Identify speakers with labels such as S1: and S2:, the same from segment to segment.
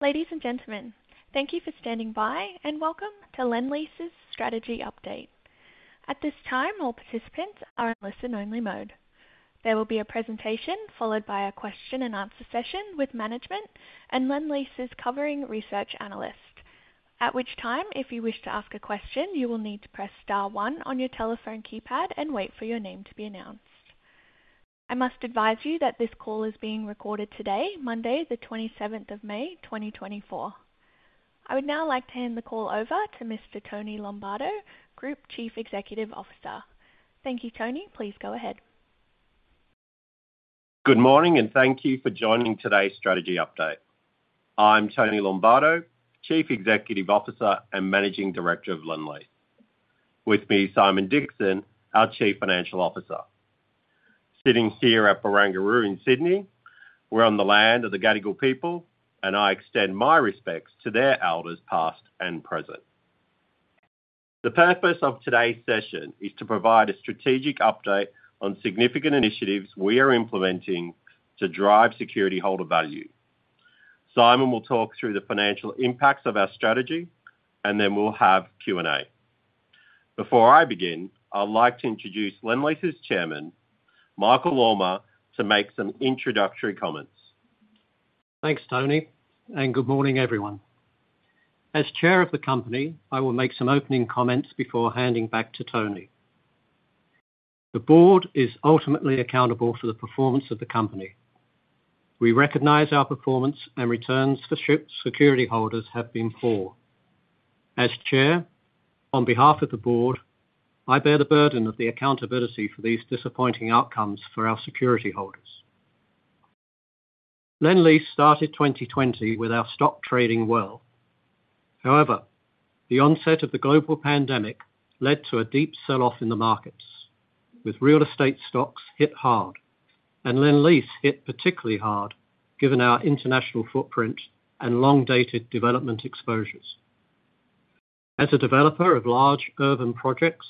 S1: Ladies and gentlemen, thank you for standing by, and welcome to Lendlease's Strategy Update. At this time, all participants are in listen-only mode. There will be a presentation, followed by a question and answer session with management and Lendlease's covering research analyst. At which time, if you wish to ask a question, you will need to press star one on your telephone keypad and wait for your name to be announced. I must advise you that this call is being recorded today, Monday, the 27th of May, 2024. I would now like to hand the call over to Mr. Tony Lombardo, Group Chief Executive Officer. Thank you, Tony. Please go ahead.
S2: Good morning, and thank you for joining today's strategy update. I'm Tony Lombardo, Chief Executive Officer and Managing Director of Lendlease. With me, Simon Dixon, our Chief Financial Officer. Sitting here at Barangaroo in Sydney, we're on the land of the Gadigal people, and I extend my respects to their elders, past and present. The purpose of today's session is to provide a strategic update on significant initiatives we are implementing to drive security holder value. Simon will talk through the financial impacts of our strategy, and then we'll have Q&A. Before I begin, I'd like to introduce Lendlease's chairman, Michael Ullmer, to make some introductory comments.
S3: Thanks, Tony, and good morning, everyone. As chair of the company, I will make some opening comments before handing back to Tony. The board is ultimately accountable for the performance of the company. We recognize our performance and returns for security holders have been poor. As chair, on behalf of the board, I bear the burden of the accountability for these disappointing outcomes for our security holders. Lendlease started 2020 with our stock trading well. However, the onset of the global pandemic led to a deep sell-off in the markets, with real estate stocks hit hard and Lendlease hit particularly hard, given our international footprint and long-dated development exposures. As a developer of large urban projects,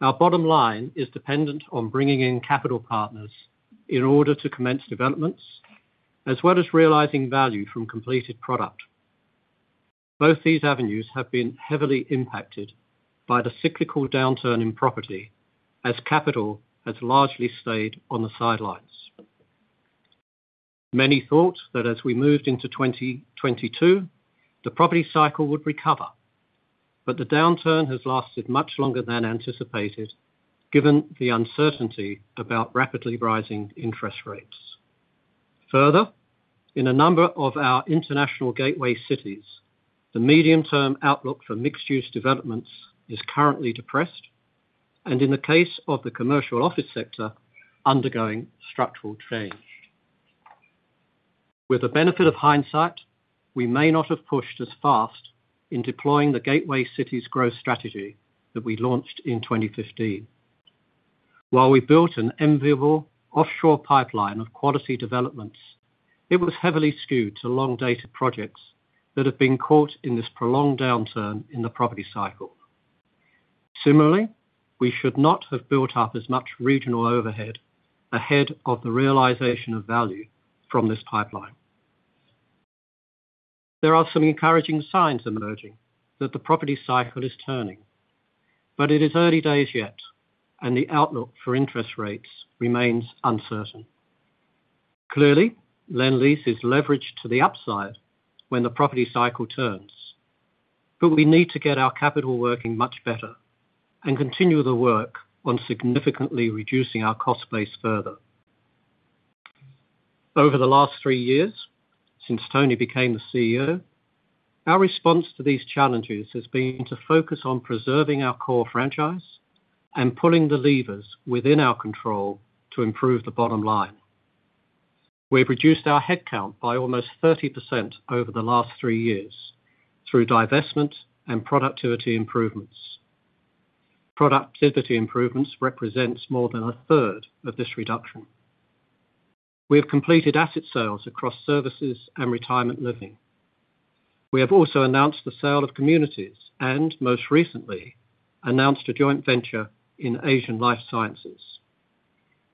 S3: our bottom line is dependent on bringing in capital partners in order to commence developments, as well as realizing value from completed product. Both these avenues have been heavily impacted by the cyclical downturn in property as capital has largely stayed on the sidelines. Many thought that as we moved into 2022, the property cycle would recover, but the downturn has lasted much longer than anticipated, given the uncertainty about rapidly rising interest rates. Further, in a number of our international gateway cities, the medium-term outlook for mixed-use developments is currently depressed and, in the case of the commercial office sector, undergoing structural change. With the benefit of hindsight, we may not have pushed as fast in deploying the gateway city's growth strategy that we launched in 2015. While we built an enviable offshore pipeline of quality developments, it was heavily skewed to long-dated projects that have been caught in this prolonged downturn in the property cycle. Similarly, we should not have built up as much regional overhead ahead of the realization of value from this pipeline. There are some encouraging signs emerging that the property cycle is turning, but it is early days yet, and the outlook for interest rates remains uncertain. Clearly, Lendlease is leveraged to the upside when the property cycle turns, but we need to get our capital working much better and continue the work on significantly reducing our cost base further. Over the last three years, since Tony became the CEO, our response to these challenges has been to focus on preserving our core franchise and pulling the levers within our control to improve the bottom line. We reduced our headcount by almost 30% over the last three years through divestment and productivity improvements. Productivity improvements represents more than a third of this reduction. We have completed asset sales across services and retirement living. We have also announced the sale of Communities and, most recently, announced a joint venture in Asian Life Sciences.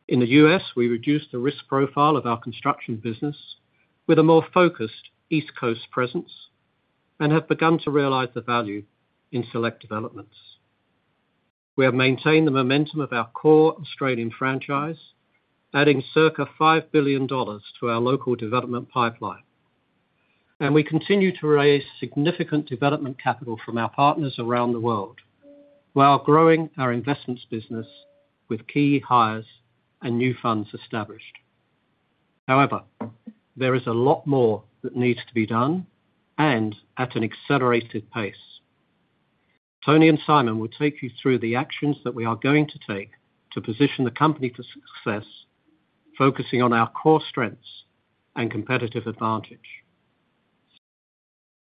S3: In the U.S., we reduced the risk profile of our Construction business with a more focused East Coast presence and have begun to realize the value in select developments. We have maintained the momentum of our core Australian franchise, adding circa 5 billion dollars to our local development pipeline, and we continue to raise significant development capital from our partners around the world while growing our investments business with key hires and new funds established. However, there is a lot more that needs to be done and at an accelerated pace. Tony and Simon will take you through the actions that we are going to take to position the company for success, focusing on our core strengths and competitive advantage.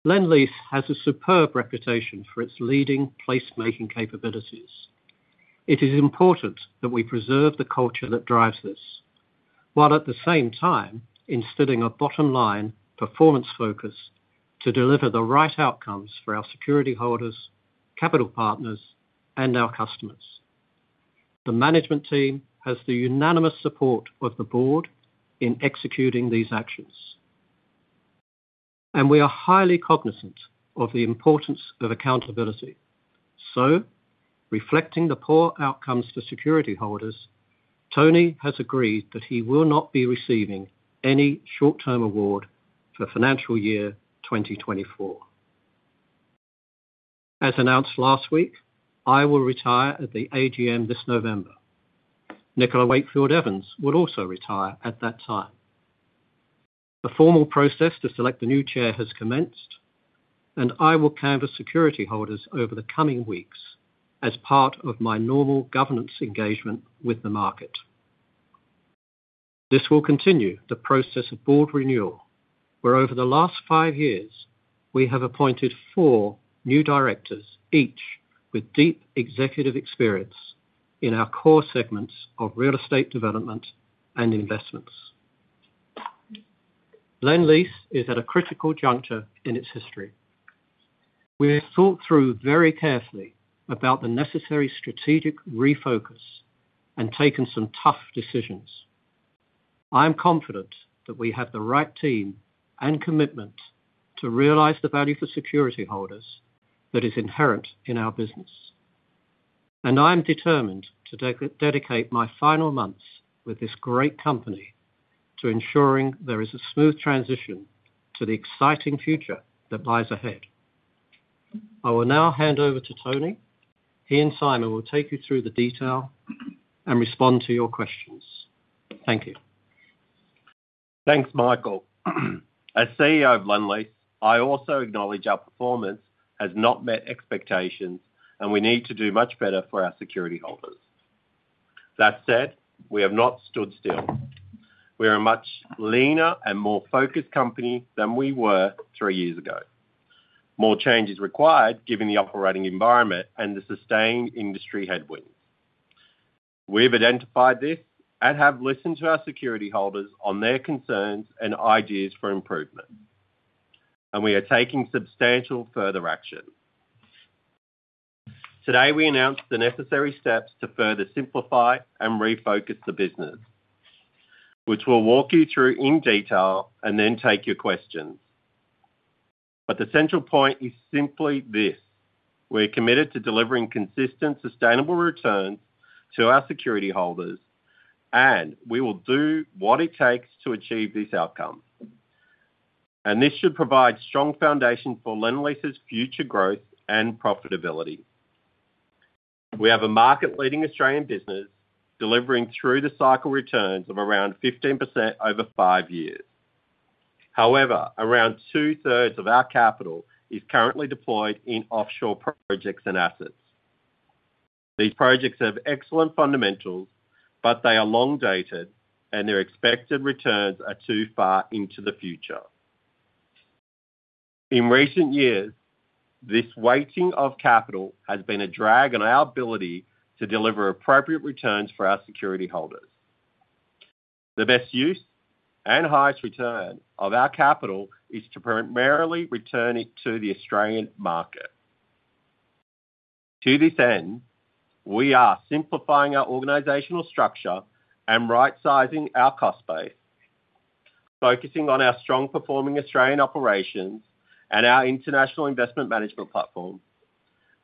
S3: Lendlease has a superb reputation for its leading placemaking capabilities. It is important that we preserve the culture that drives this, while at the same time instilling a bottom-line performance focus to deliver the right outcomes for our security holders, capital partners, and our customers. The management team has the unanimous support of the board in executing these actions. We are highly cognizant of the importance of accountability. So reflecting the poor outcomes to security holders, Tony has agreed that he will not be receiving any short-term award for financial year 2024. As announced last week, I will retire at the AGM this November. Nicola Wakefield Evans will also retire at that time. The formal process to select the new chair has commenced, and I will canvass security holders over the coming weeks as part of my normal governance engagement with the market. This will continue the process of board renewal, where over the last five years, we have appointed four new directors, each with deep executive experience in our core segments of real estate development and investments. Lendlease is at a critical juncture in its history. We have thought through very carefully about the necessary strategic refocus and taken some tough decisions. I am confident that we have the right team and commitment to realize the value for security holders that is inherent in our business, and I am determined to dedicate my final months with this great company to ensuring there is a smooth transition to the exciting future that lies ahead. I will now hand over to Tony. He and Simon will take you through the detail and respond to your questions. Thank you.
S2: Thanks, Michael. As CEO of Lendlease, I also acknowledge our performance has not met expectations, and we need to do much better for our security holders. That said, we have not stood still. We are a much leaner and more focused company than we were three years ago. More change is required, given the operating environment and the sustained industry headwinds. We've identified this and have listened to our security holders on their concerns and ideas for improvement, and we are taking substantial further action. Today, we announced the necessary steps to further simplify and refocus the business, which we'll walk you through in detail and then take your questions. But the central point is simply this: we're committed to delivering consistent, sustainable returns to our security holders, and we will do what it takes to achieve this outcome. This should provide strong foundation for Lendlease's future growth and profitability. We have a market-leading Australian business, delivering through the cycle returns of around 15% over five years. However, around two-thirds of our capital is currently deployed in offshore projects and assets. These projects have excellent fundamentals, but they are long dated, and their expected returns are too far into the future. In recent years, this weighting of capital has been a drag on our ability to deliver appropriate returns for our security holders. The best use and highest return of our capital is to primarily return it to the Australian market. To this end, we are simplifying our organizational structure and right sizing our cost base, focusing on our strong performing Australian operations and our international investment management platform,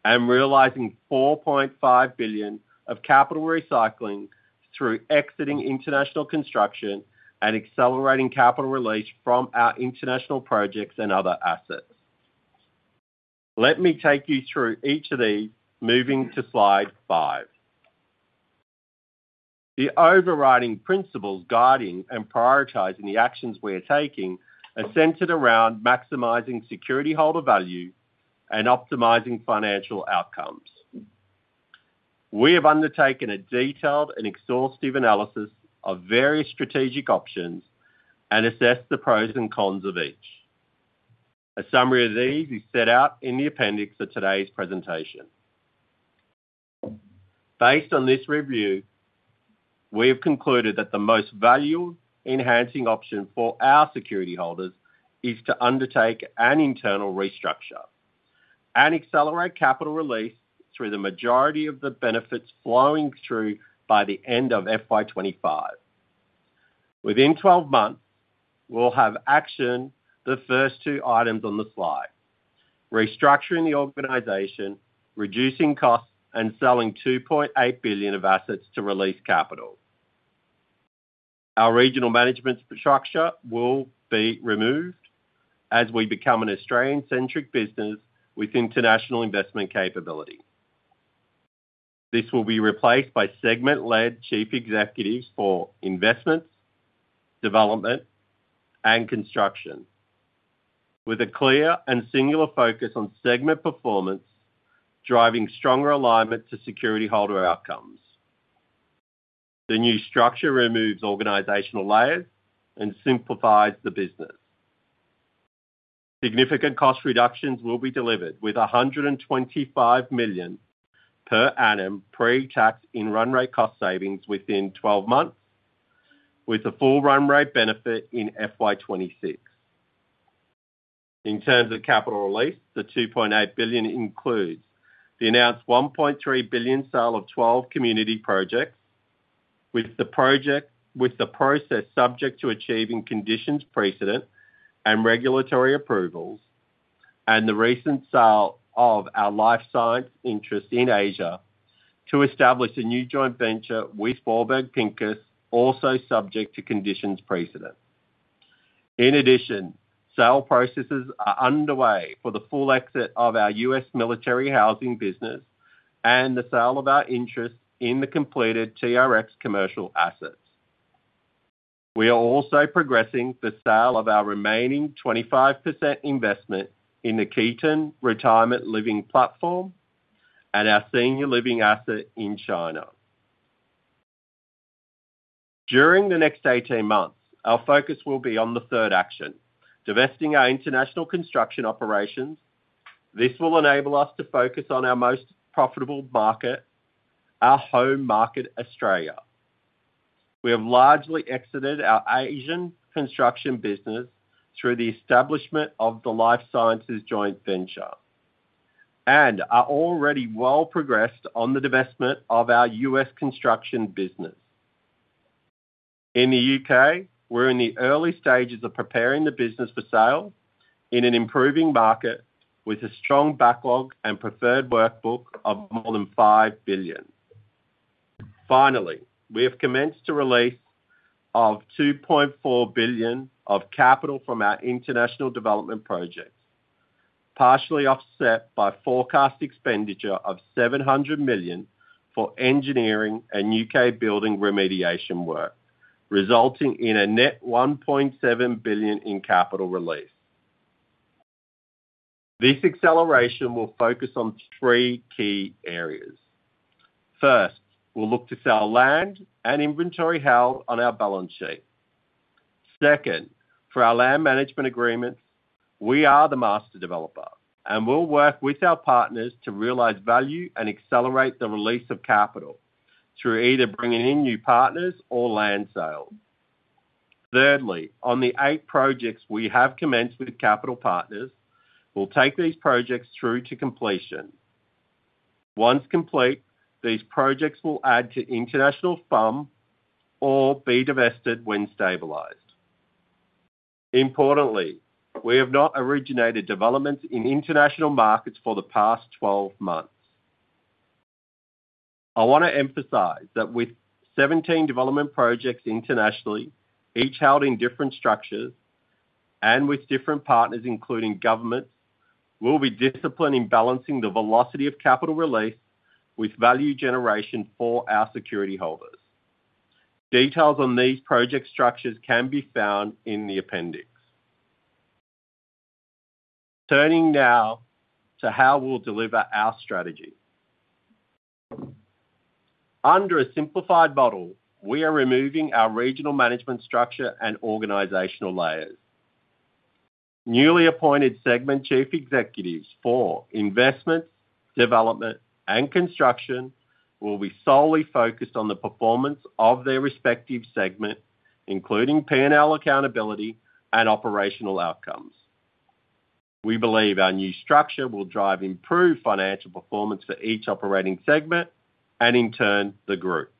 S2: and realizing 4.5 billion of capital recycling through exiting international construction and accelerating capital release from our international projects and other assets. Let me take you through each of these, moving to slide five. The overriding principles guiding and prioritizing the actions we are taking are centered around maximizing security holder value and optimizing financial outcomes. We have undertaken a detailed and exhaustive analysis of various strategic options and assessed the pros and cons of each. A summary of these is set out in the appendix of today's presentation. Based on this review, we have concluded that the most value-enhancing option for our security holders is to undertake an internal restructure and accelerate capital release through the majority of the benefits flowing through by the end of FY 2025. Within 12 months, we'll have actioned the first two items on the slide: restructuring the organization, reducing costs, and selling 2.8 billion of assets to release capital. Our regional management structure will be removed as we become an Australian-centric business with international investment capability. This will be replaced by segment-led chief executives for investments, development, and construction, with a clear and singular focus on segment performance, driving stronger alignment to security holder outcomes. The new structure removes organizational layers and simplifies the business. Significant cost reductions will be delivered with 125 million per annum pre-tax in run rate cost savings within 12 months, with the full run rate benefit in FY 2026.... In terms of capital release, the 2.8 billion includes the announced 1.3 billion sale of 12 community projects, with the process subject to achieving conditions precedent and regulatory approvals, and the recent sale of our life science interest in Asia to establish a new joint venture with Warburg Pincus, also subject to conditions precedent. In addition, sale processes are underway for the full exit of our U.S. Military Housing business and the sale of our interest in the completed TRX commercial assets. We are also progressing the sale of our remaining 25% investment in the Keyton retirement living platform and our senior living asset in China. During the next 18 months, our focus will be on the third action, divesting our international construction operations. This will enable us to focus on our most profitable market, our home market, Australia. We have largely exited our Asian construction business through the establishment of the life sciences joint venture, and are already well progressed on the divestment of our U.S. construction business. In the U.K., we're in the early stages of preparing the business for sale in an improving market with a strong backlog and preferred workbook of more than 5 billion. Finally, we have commenced a release of 2.4 billion of capital from our international development projects, partially offset by forecast expenditure of 700 million for Engineering and U.K. building remediation work, resulting in a net AUD 1.7 billion in capital release. This acceleration will focus on three key areas. First, we'll look to sell land and inventory held on our balance sheet. Second, for our land management agreements, we are the master developer, and we'll work with our partners to realize value and accelerate the release of capital through either bringing in new partners or land sale. Thirdly, on the 8 projects we have commenced with capital partners, we'll take these projects through to completion. Once complete, these projects will add to international FUM or be divested when stabilized. Importantly, we have not originated developments in international markets for the past 12 months. I want to emphasize that with 17 development projects internationally, each held in different structures and with different partners, including governments, we'll be disciplined in balancing the velocity of capital release with value generation for our security holders. Details on these project structures can be found in the appendix. Turning now to how we'll deliver our strategy. Under a simplified model, we are removing our regional management structure and organizational layers. Newly appointed segment chief executives for investments, development, and construction will be solely focused on the performance of their respective segment, including P&L accountability and operational outcomes. We believe our new structure will drive improved financial performance for each operating segment and in turn, the group.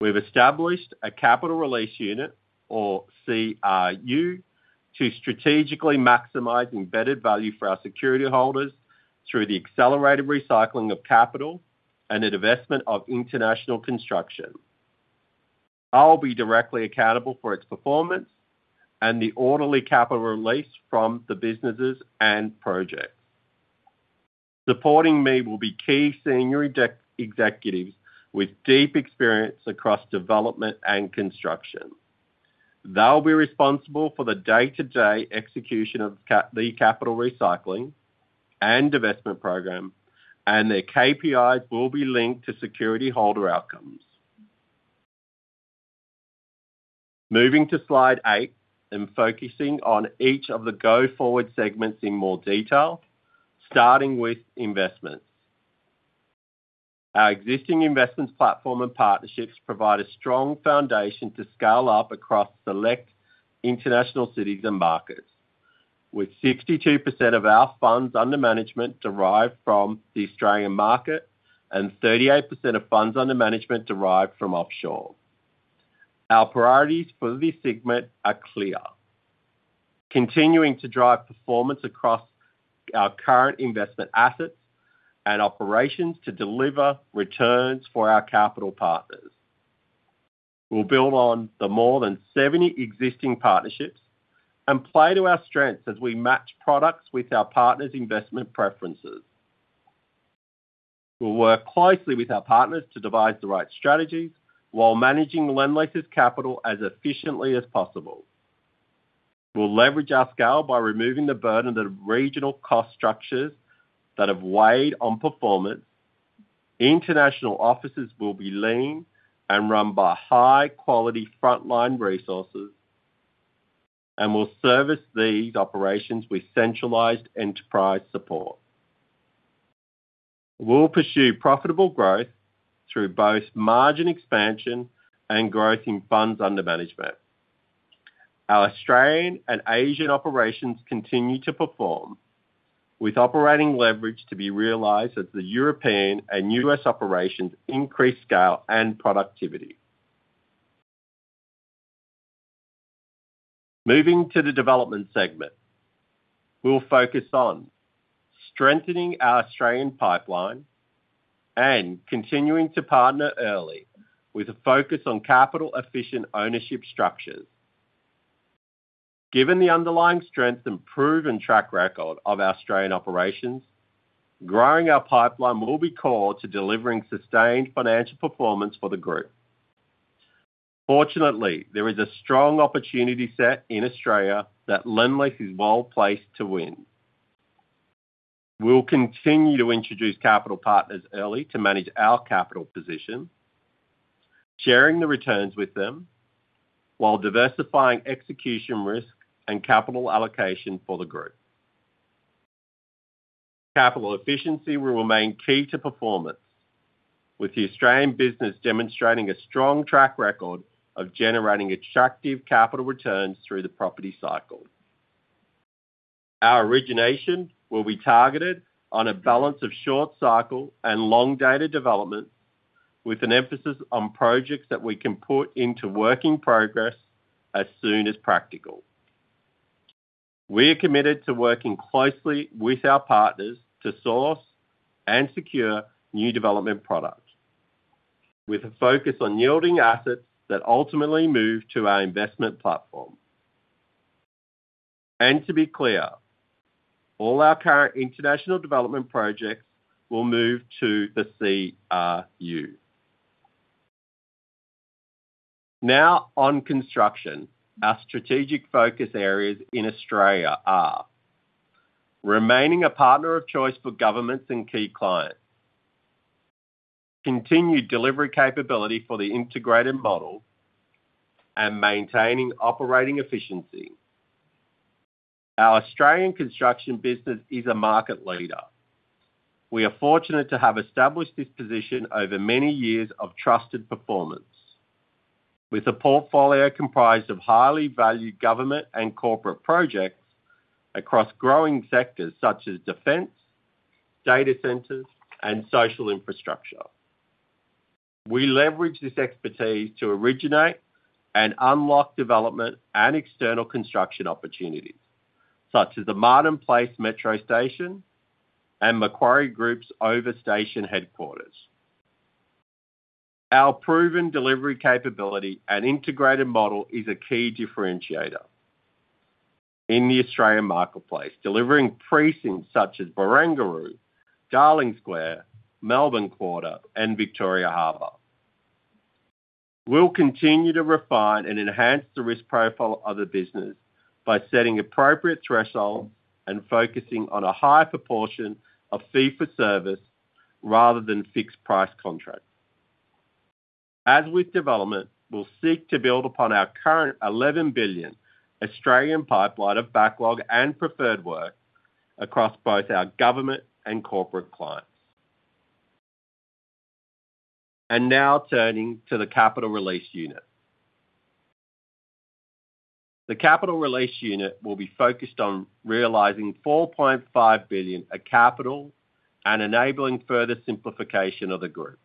S2: We've established a capital release unit or CRU, to strategically maximize embedded value for our security holders through the accelerated recycling of capital and the divestment of international construction. I'll be directly accountable for its performance and the orderly capital release from the businesses and projects. Supporting me will be key senior executives with deep experience across development and construction. They'll be responsible for the day-to-day execution of the capital recycling and divestment program, and their KPIs will be linked to Security Holder outcomes. Moving to slide eight, and focusing on each of the go-forward segments in more detail, starting with investments. Our existing investments, platform, and partnerships provide a strong foundation to scale up across select international cities and markets, with 62% of our funds under management derived from the Australian market and 38% of funds under management derived from offshore. Our priorities for this segment are clear: continuing to drive performance across our current investment assets and operations to deliver returns for our capital partners. We'll build on the more than 70 existing partnerships and play to our strengths as we match products with our partners' investment preferences. We'll work closely with our partners to devise the right strategies while managing Lendlease's capital as efficiently as possible. We'll leverage our scale by removing the burden of regional cost structures that have weighed on performance. International offices will be lean and run by high-quality frontline resources, and we'll service these operations with centralized enterprise support.... We'll pursue profitable growth through both margin expansion and growth in funds under management. Our Australian and Asian operations continue to perform, with operating leverage to be realized as the European and U.S. operations increase scale and productivity. Moving to the development segment, we'll focus on strengthening our Australian pipeline and continuing to partner early, with a focus on capital-efficient ownership structures. Given the underlying strength and proven track record of our Australian operations, growing our pipeline will be core to delivering sustained financial performance for the group. Fortunately, there is a strong opportunity set in Australia that Lendlease is well placed to win. We'll continue to introduce capital partners early to manage our capital position, sharing the returns with them while diversifying execution risk and capital allocation for the group. Capital efficiency will remain key to performance, with the Australian business demonstrating a strong track record of generating attractive capital returns through the property cycle. Our origination will be targeted on a balance of short cycle and long-dated development, with an emphasis on projects that we can put into work in progress as soon as practical. We are committed to working closely with our partners to source and secure new development products, with a focus on yielding assets that ultimately move to our investment platform. And to be clear, all our current international development projects will move to the CRU. Now, on construction, our strategic focus areas in Australia are: remaining a partner of choice for governments and key clients, continued delivery capability for the integrated model, and maintaining operating efficiency. Our Australian construction business is a market leader. We are fortunate to have established this position over many years of trusted performance, with a portfolio comprised of highly valued government and corporate projects across growing sectors such as defense, data centers, and social infrastructure. We leverage this expertise to originate and unlock development and external construction opportunities, such as the Martin Place Metro Station and Macquarie Group's Over Station headquarters. Our proven delivery capability and integrated model is a key differentiator in the Australian marketplace, delivering precincts such as Barangaroo, Darling Square, Melbourne Quarter, and Victoria Harbour. We'll continue to refine and enhance the risk profile of the business by setting appropriate thresholds and focusing on a higher proportion of fee for service rather than fixed price contracts. As with development, we'll seek to build upon our current 11 billion pipeline of backlog and preferred work across both our government and corporate clients. Now turning to the capital release unit. The capital release unit will be focused on realizing 4.5 billion of capital and enabling further simplification of the group.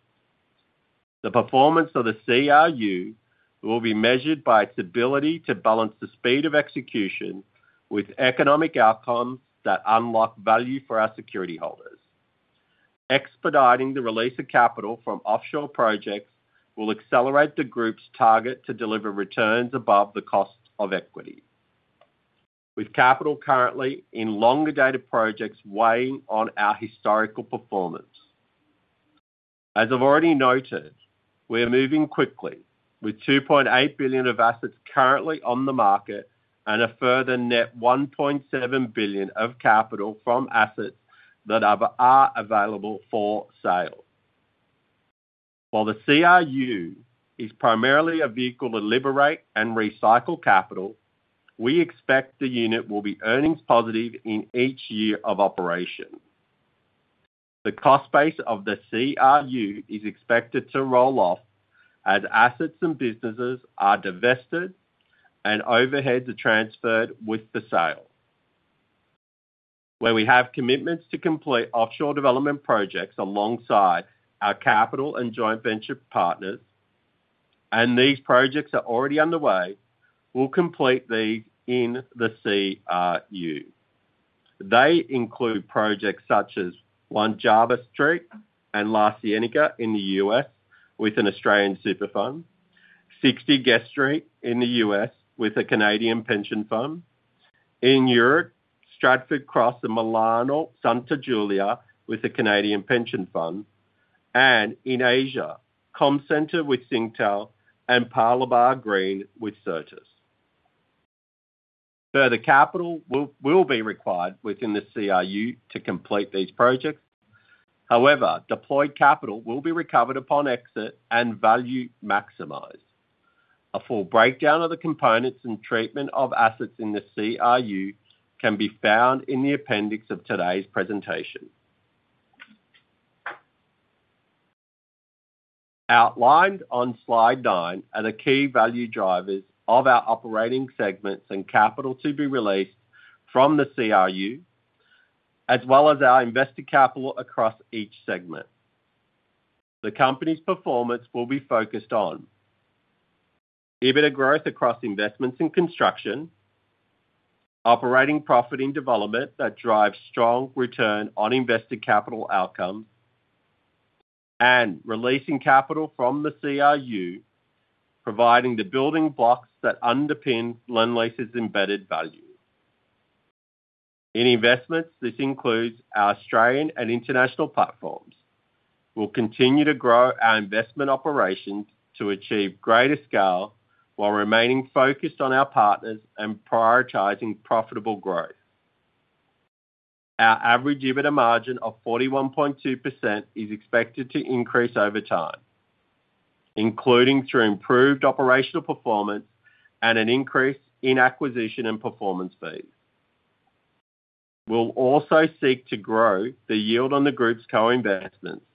S2: The performance of the CRU will be measured by its ability to balance the speed of execution with economic outcomes that unlock value for our security holders. Expediting the release of capital from offshore projects will accelerate the group's target to deliver returns above the cost of equity, with capital currently in longer-dated projects weighing on our historical performance. As I've already noted, we are moving quickly with 2.8 billion of assets currently on the market and a further net 1.7 billion of capital from assets that are available for sale. While the CRU is primarily a vehicle to liberate and recycle capital, we expect the unit will be earnings positive in each year of operation. The cost base of the CRU is expected to roll off as assets and businesses are divested and overheads are transferred with the sale. Where we have commitments to complete offshore development projects alongside our capital and joint venture partners, and these projects are already underway, we'll complete these in the CRU. They include projects such as 1 Java Street and La Cienega in the U.S. with an Australian super fund, 60 Guest Street in the U.S. with a Canadian pension fund. In Europe, Stratford Cross and Milano Santa Giulia with a Canadian pension fund, and in Asia, Comcentre with Singtel and Paya Lebar Green with Certis. Further capital will be required within the CRU to complete these projects. However, deployed capital will be recovered upon exit and value maximized. A full breakdown of the components and treatment of assets in the CRU can be found in the appendix of today's presentation. Outlined on slide nine are the key value drivers of our operating segments and capital to be released from the CRU, as well as our invested capital across each segment. The company's performance will be focused on EBITDA growth across investments and construction, operating profit in development that drives strong return on invested capital outcomes, and releasing capital from the CRU, providing the building blocks that underpin Lendlease's embedded value. In investments, this includes our Australian and international platforms. We'll continue to grow our investment operations to achieve greater scale, while remaining focused on our partners and prioritizing profitable growth. Our average EBITDA margin of 41.2% is expected to increase over time, including through improved operational performance and an increase in acquisition and performance fees. We'll also seek to grow the yield on the group's co-investments,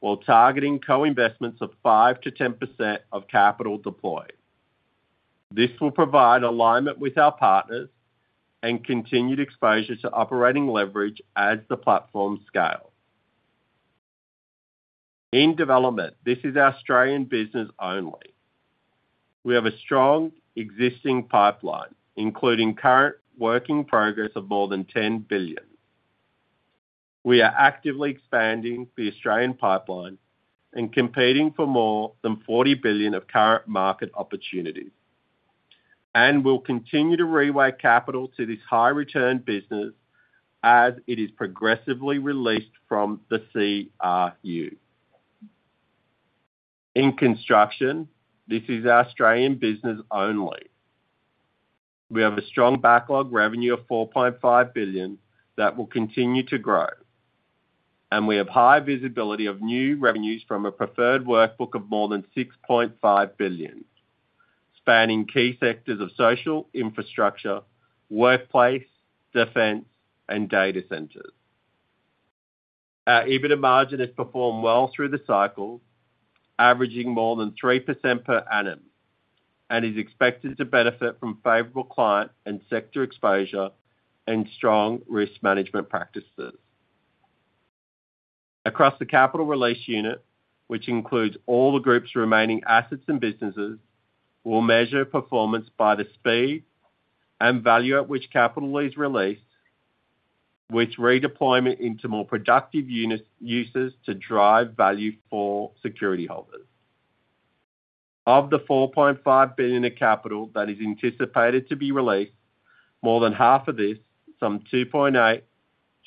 S2: while targeting co-investments of 5%-10% of capital deployed. This will provide alignment with our partners and continued exposure to operating leverage as the platform scale. In development, this is our Australian business only. We have a strong existing pipeline, including current work in progress of more than 10 billion. We are actively expanding the Australian pipeline and competing for more than 40 billion of current market opportunities, and we'll continue to reweight capital to this high return business as it is progressively released from the CRU. In construction, this is our Australian business only. We have a strong backlog revenue of 4.5 billion that will continue to grow, and we have high visibility of new revenues from a preferred workbook of more than 6.5 billion, spanning key sectors of social infrastructure, workplace, defense, and data centers. Our EBITDA margin has performed well through the cycle, averaging more than 3% per annum, and is expected to benefit from favorable client and sector exposure and strong risk management practices. Across the Capital Release Unit, which includes all the group's remaining assets and businesses, we'll measure performance by the speed and value at which capital is released, with redeployment into more productive units- uses to drive value for security holders. Of the 4.5 billion in capital that is anticipated to be released, more than half of this, some 2.8 billion,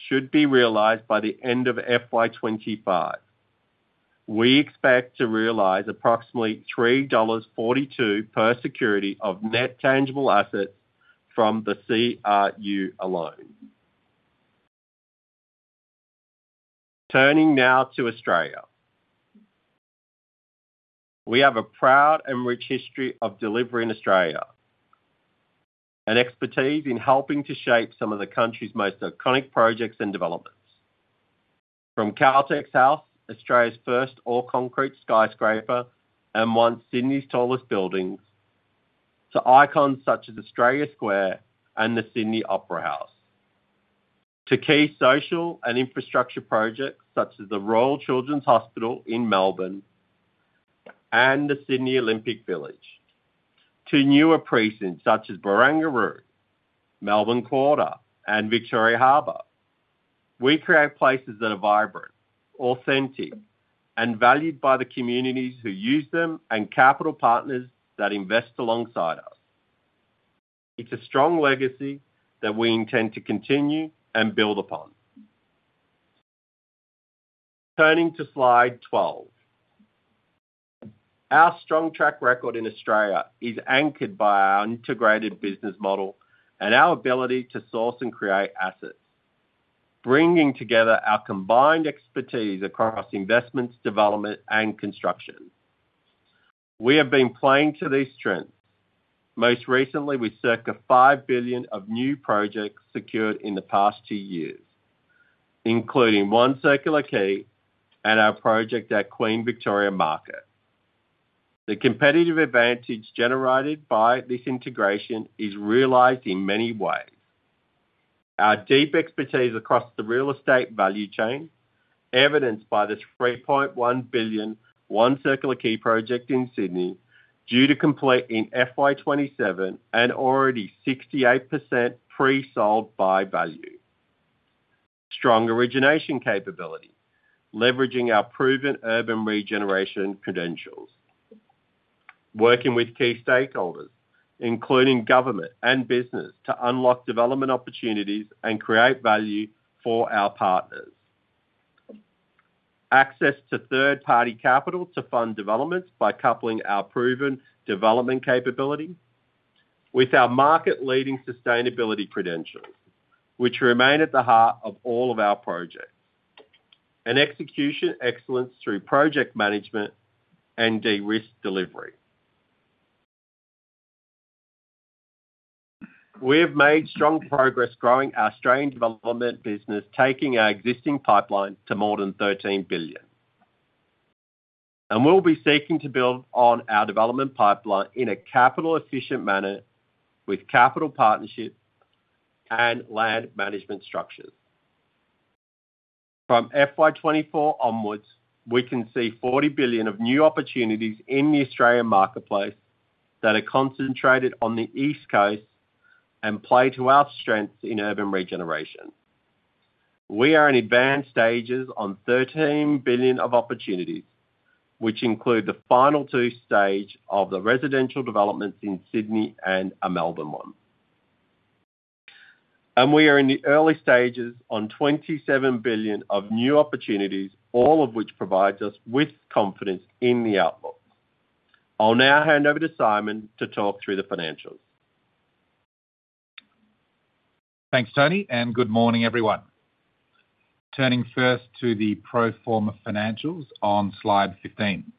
S2: should be realized by the end of FY 2025. We expect to realize approximately 3.42 dollars per security of net tangible assets from the CRU alone. Turning now to Australia. We have a proud and rich history of delivery in Australia, and expertise in helping to shape some of the country's most iconic projects and developments. From Caltex House, Australia's first all-concrete skyscraper, and once Sydney's tallest building, to icons such as Australia Square and the Sydney Opera House, to key social and infrastructure projects such as the Royal Children's Hospital in Melbourne and the Sydney Olympic Village, to newer precincts such as Barangaroo, Melbourne Quarter and Victoria Harbour. We create places that are vibrant, authentic, and valued by the communities who use them, and capital partners that invest alongside us. It's a strong legacy that we intend to continue and build upon. Turning to slide 12. Our strong track record in Australia is anchored by our integrated business model and our ability to source and create assets, bringing together our combined expertise across investments, development, and construction. We have been playing to these strengths. Most recently with circa 5 billion of new projects secured in the past two years, including One Circular Quay and our project at Queen Victoria Market. The competitive advantage generated by this integration is realized in many ways. Our deep expertise across the real estate value chain, evidenced by the 3.1 billion One Circular Quay project in Sydney, due to complete in FY 2027 and already 68% pre-sold by value. Strong origination capability, leveraging our proven urban regeneration credentials. Working with key stakeholders, including government and business, to unlock development opportunities and create value for our partners. Access to third-party capital to fund developments by coupling our proven development capability with our market-leading sustainability credentials, which remain at the heart of all of our projects.... and execution excellence through project management and de-risk delivery. We have made strong progress growing our Australian development business, taking our existing pipeline to more than 13 billion. And we'll be seeking to build on our development pipeline in a capital efficient manner with capital partnership and land management structures. From FY 2024 onwards, we can see 40 billion of new opportunities in the Australian marketplace that are concentrated on the East Coast and play to our strengths in urban regeneration. We are in advanced stages on 13 billion of opportunities, which include the final two stages of the residential developments in Sydney and a Melbourne one. We are in the early stages on 27 billion of new opportunities, all of which provides us with confidence in the outlook. I'll now hand over to Simon to talk through the financials.
S4: Thanks, Tony, and good morning, everyone. Turning first to the pro forma financials on slide 15.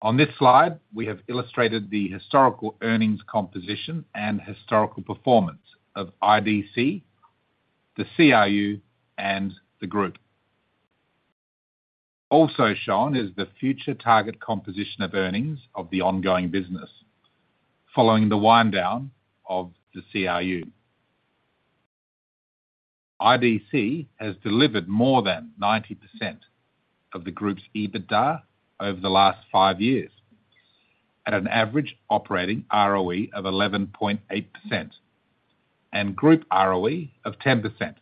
S4: On this slide, we have illustrated the historical earnings composition and historical performance of IDC, the CRU, and the group. Also shown is the future target composition of earnings of the ongoing business, following the wind down of the CRU. IDC has delivered more than 90% of the group's EBITDA over the last five years, at an average operating ROE of 11.8% and group ROE of 10%,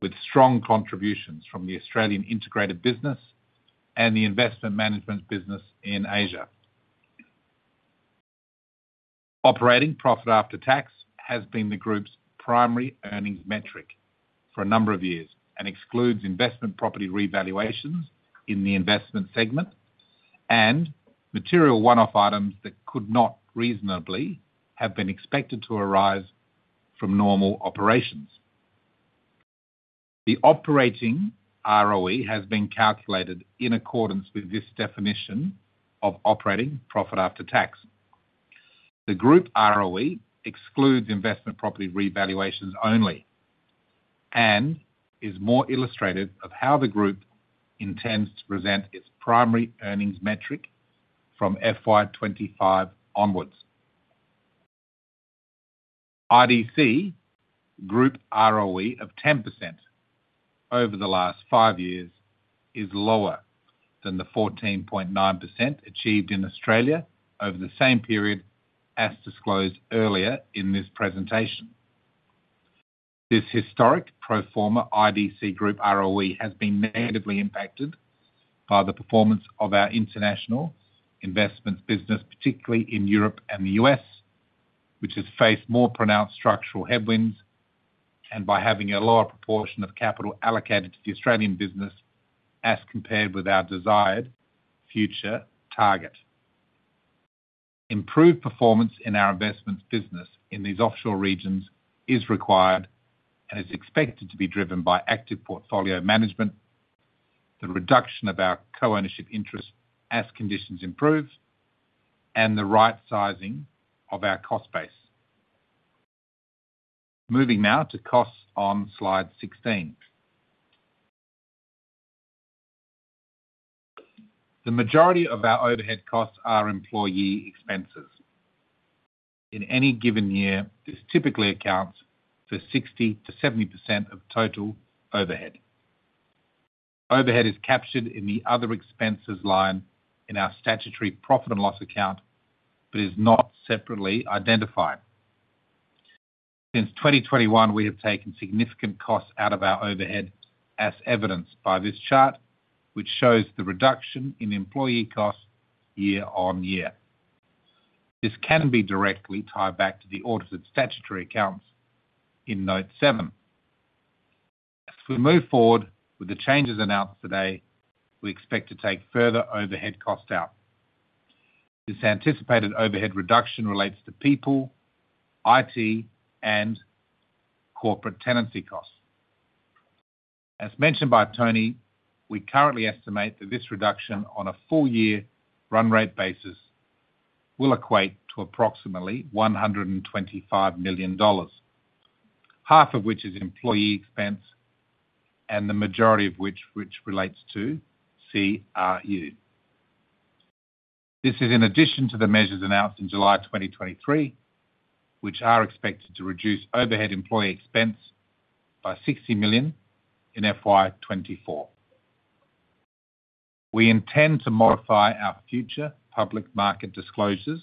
S4: with strong contributions from the Australian integrated business and the investment management business in Asia. Operating profit after tax has been the group's primary earnings metric for a number of years and excludes investment property revaluations in the investment segment and material one-off items that could not reasonably have been expected to arise from normal operations. The operating ROE has been calculated in accordance with this definition of operating profit after tax. The group ROE excludes investment property revaluations only and is more illustrative of how the group intends to present its primary earnings metric from FY 25 onward. IDC group ROE of 10% over the last five years is lower than the 14.9% achieved in Australia over the same period, as disclosed earlier in this presentation. This historic pro forma IDC group ROE has been negatively impacted by the performance of our international investments business, particularly in Europe and the U.S., which has faced more pronounced structural headwinds, and by having a lower proportion of capital allocated to the Australian business as compared with our desired future target. Improved performance in our investments business in these offshore regions is required and is expected to be driven by active portfolio management, the reduction of our co-ownership interest as conditions improve, and the right sizing of our cost base. Moving now to costs on slide 16. The majority of our overhead costs are employee expenses. In any given year, this typically accounts for 60%-70% of total overhead. Overhead is captured in the other expenses line in our statutory profit and loss account, but is not separately identified. Since 2021, we have taken significant costs out of our overhead, as evidenced by this chart, which shows the reduction in employee costs year on year. This can be directly tied back to the audited statutory accounts in note 7. As we move forward with the changes announced today, we expect to take further overhead costs out. This anticipated overhead reduction relates to people, IT, and corporate tenancy costs. As mentioned by Tony, we currently estimate that this reduction on a full year run rate basis will equate to approximately 125 million dollars, half of which is employee expense, and the majority of which, which relates to CRU. This is in addition to the measures announced in July 2023, which are expected to reduce overhead employee expense by 60 million in FY 2024. We intend to modify our future public market disclosures,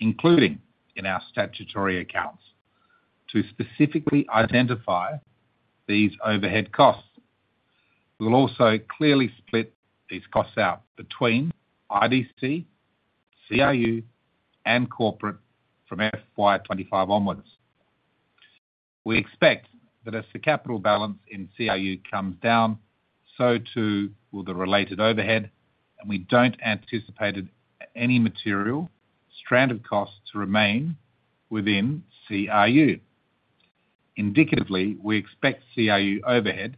S4: including in our statutory accounts, to specifically identify these overhead costs. We will also clearly split these costs out between IDC, CRU, and corporate from FY 2025 onwards. We expect that as the capital balance in CRU comes down, so too will the related overhead, and we don't anticipate any material stranded costs to remain within CRU. Indicatively, we expect CRU overhead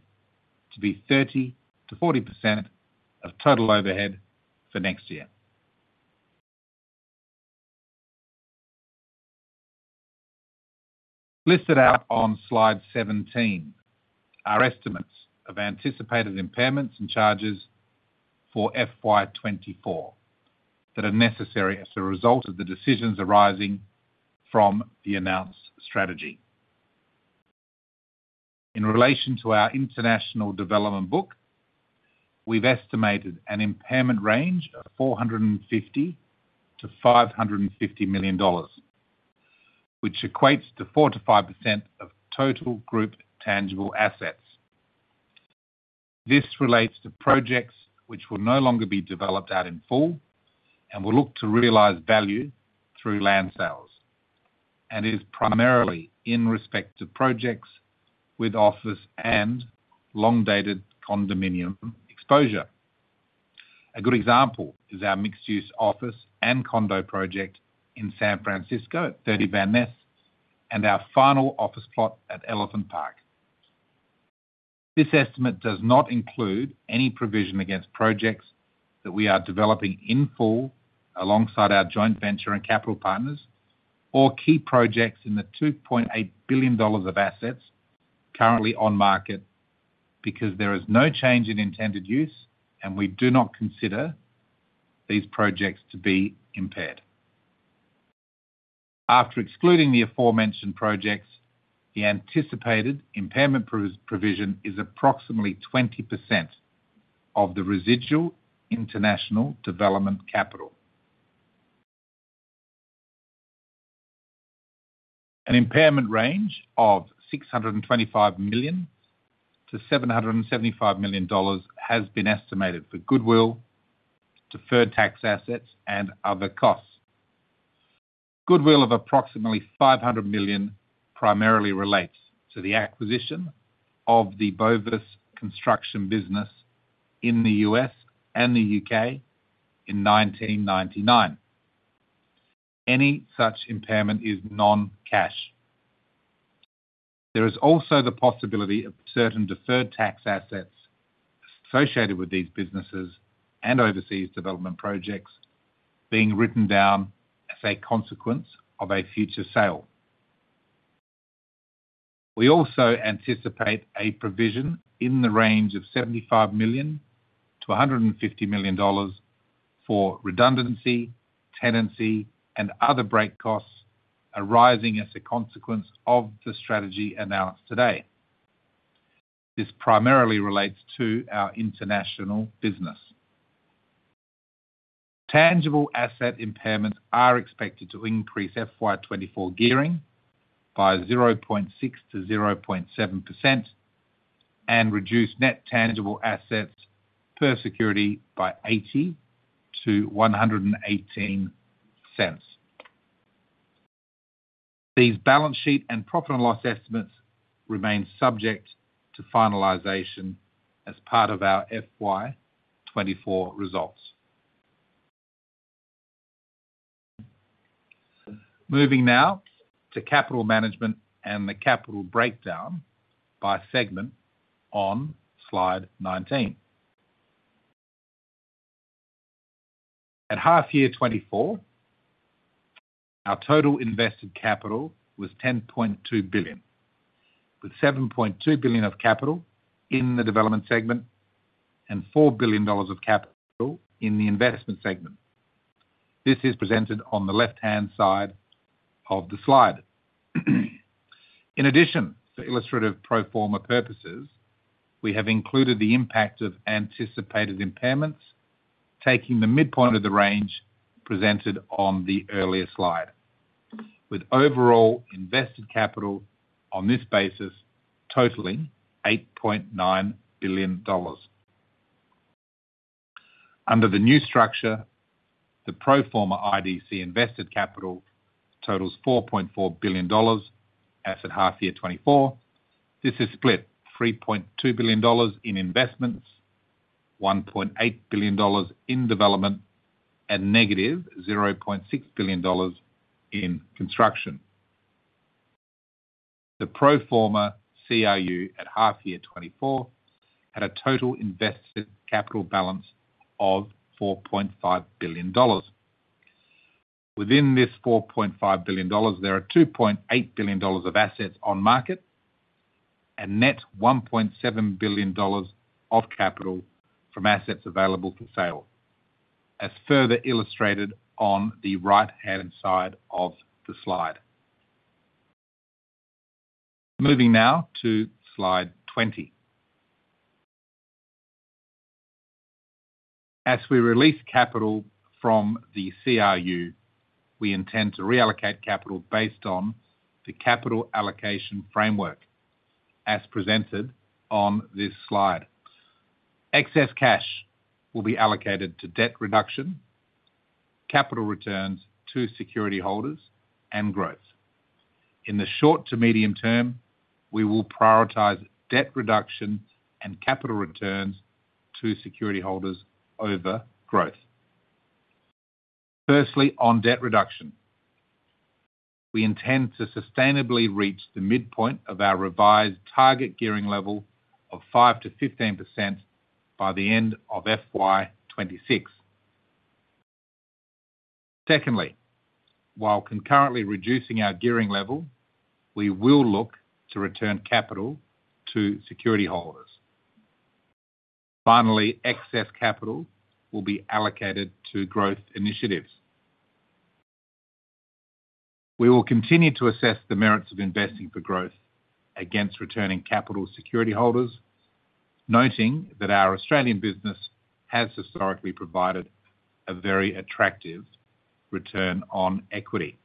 S4: to be 30%-40% of total overhead for next year. Listed out on slide 17 are estimates of anticipated impairments and charges for FY 2024, that are necessary as a result of the decisions arising from the announced strategy. In relation to our international development book, we've estimated an impairment range of 450 million-550 million dollars, which equates to 4%-5% of total group tangible assets. This relates to projects which will no longer be developed out in full, and will look to realize value through land sales, and is primarily in respect to projects with office and long-dated condominium exposure. A good example is our mixed-use office and condo project in San Francisco at 30 Van Ness and our final office plot at Elephant Park. This estimate does not include any provision against projects that we are developing in full alongside our joint venture and capital partners, or key projects in the 2.8 billion dollars of assets currently on market, because there is no change in intended use, and we do not consider these projects to be impaired. After excluding the aforementioned projects, the anticipated impairment provision is approximately 20% of the residual international development capital. An impairment range of 625 million-775 million dollars has been estimated for goodwill, deferred tax assets, and other costs. Goodwill of approximately 500 million primarily relates to the acquisition of the Bovis Construction business in the U.S. and the U.K. in 1999. Any such impairment is non-cash. There is also the possibility of certain deferred tax assets associated with these businesses and overseas development projects being written down as a consequence of a future sale. We also anticipate a provision in the range of 75 million-150 million dollars for redundancy, tenancy, and other break costs arising as a consequence of the strategy announced today. This primarily relates to our international business. Tangible asset impairments are expected to increase FY 2024 gearing by 0.6%-0.7% and reduce net tangible assets per security by 0.80-1.18. These balance sheet and profit and loss estimates remain subject to finalization as part of our FY 2024 results. Moving now to capital management and the capital breakdown by segment on slide 19. At half year 2024, our total invested capital was 10.2 billion, with 7.2 billion of capital in the development segment and 4 billion dollars of capital in the investment segment. This is presented on the left-hand side of the slide. In addition, for illustrative pro forma purposes, we have included the impact of anticipated impairments, taking the midpoint of the range presented on the earlier slide, with overall invested capital on this basis totaling 8.9 billion dollars. Under the new structure, the pro forma IDC invested capital totals 4.4 billion dollars as at half year 2024. This is split 3.2 billion dollars in investments, 1.8 billion dollars in development, and negative 0.6 billion dollars in construction. The pro forma CRU at half year 2024 had a total invested capital balance of 4.5 billion dollars. Within this 4.5 billion dollars, there are 2.8 billion dollars of assets on market and net 1.7 billion dollars of capital from assets available for sale, as further illustrated on the right-hand side of the slide. Moving now to slide 20. As we release capital from the CRU, we intend to reallocate capital based on the capital allocation framework as presented on this slide. Excess cash will be allocated to debt reduction, capital returns to security holders and growth. In the short to medium term, we will prioritize debt reduction and capital returns to security holders over growth. Firstly, on debt reduction, we intend to sustainably reach the midpoint of our revised target gearing level of 5%-15% by the end of FY 2026. Secondly, while concurrently reducing our gearing level, we will look to return capital to security holders. Finally, excess capital will be allocated to growth initiatives. We will continue to assess the merits of investing for growth against returning capital security holders, noting that our Australian business has historically provided a very attractive return on equity.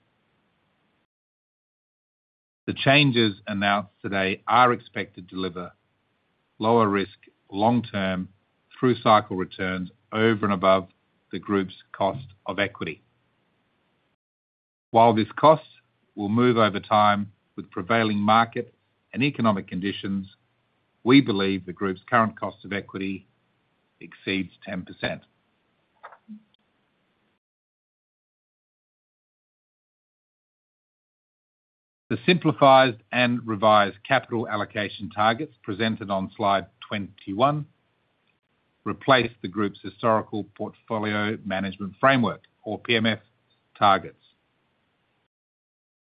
S4: The changes announced today are expected to deliver lower risk long-term through cycle returns over and above the group's cost of equity. While this cost will move over time with prevailing market and economic conditions, we believe the group's current cost of equity exceeds 10%. The simplified and revised capital allocation targets presented on Slide 21 replace the group's historical portfolio management framework, or PMF targets.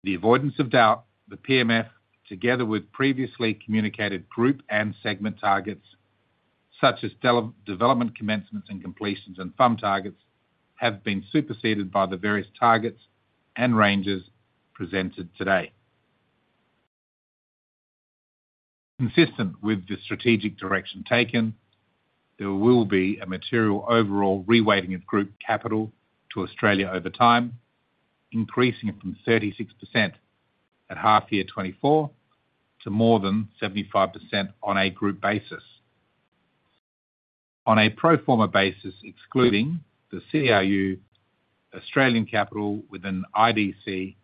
S4: The avoidance of doubt, the PMF, together with previously communicated group and segment targets, such as development commencements and completions and FUM targets, have been superseded by the various targets and ranges presented today. Consistent with the strategic direction taken, there will be a material overall reweighting of group capital to Australia over time, increasing it from 36% at half year 2024 to more than 75% on a group basis. On a pro forma basis, excluding the CRU, Australian capital within IDC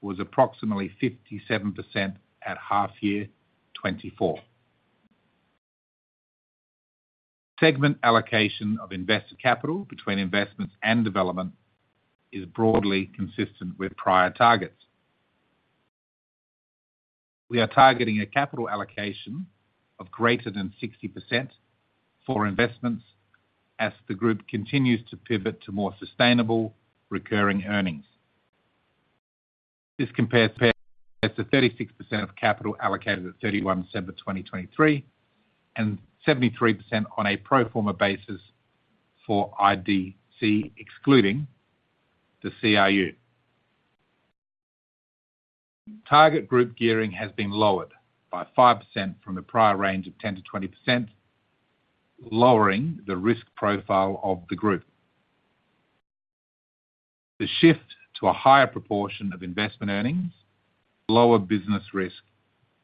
S4: was approximately 57% at half year 2024. Segment allocation of invested capital between investments and development is broadly consistent with prior targets. We are targeting a capital allocation of greater than 60% for investments as the group continues to pivot to more sustainable recurring earnings. This compares, to 36% of capital allocated at 31 December 2023, and 73% on a pro forma basis for IDC, excluding the CRU. Target group gearing has been lowered by 5% from the prior range of 10%-20%, lowering the risk profile of the group. The shift to a higher proportion of investment earnings, lower business risk,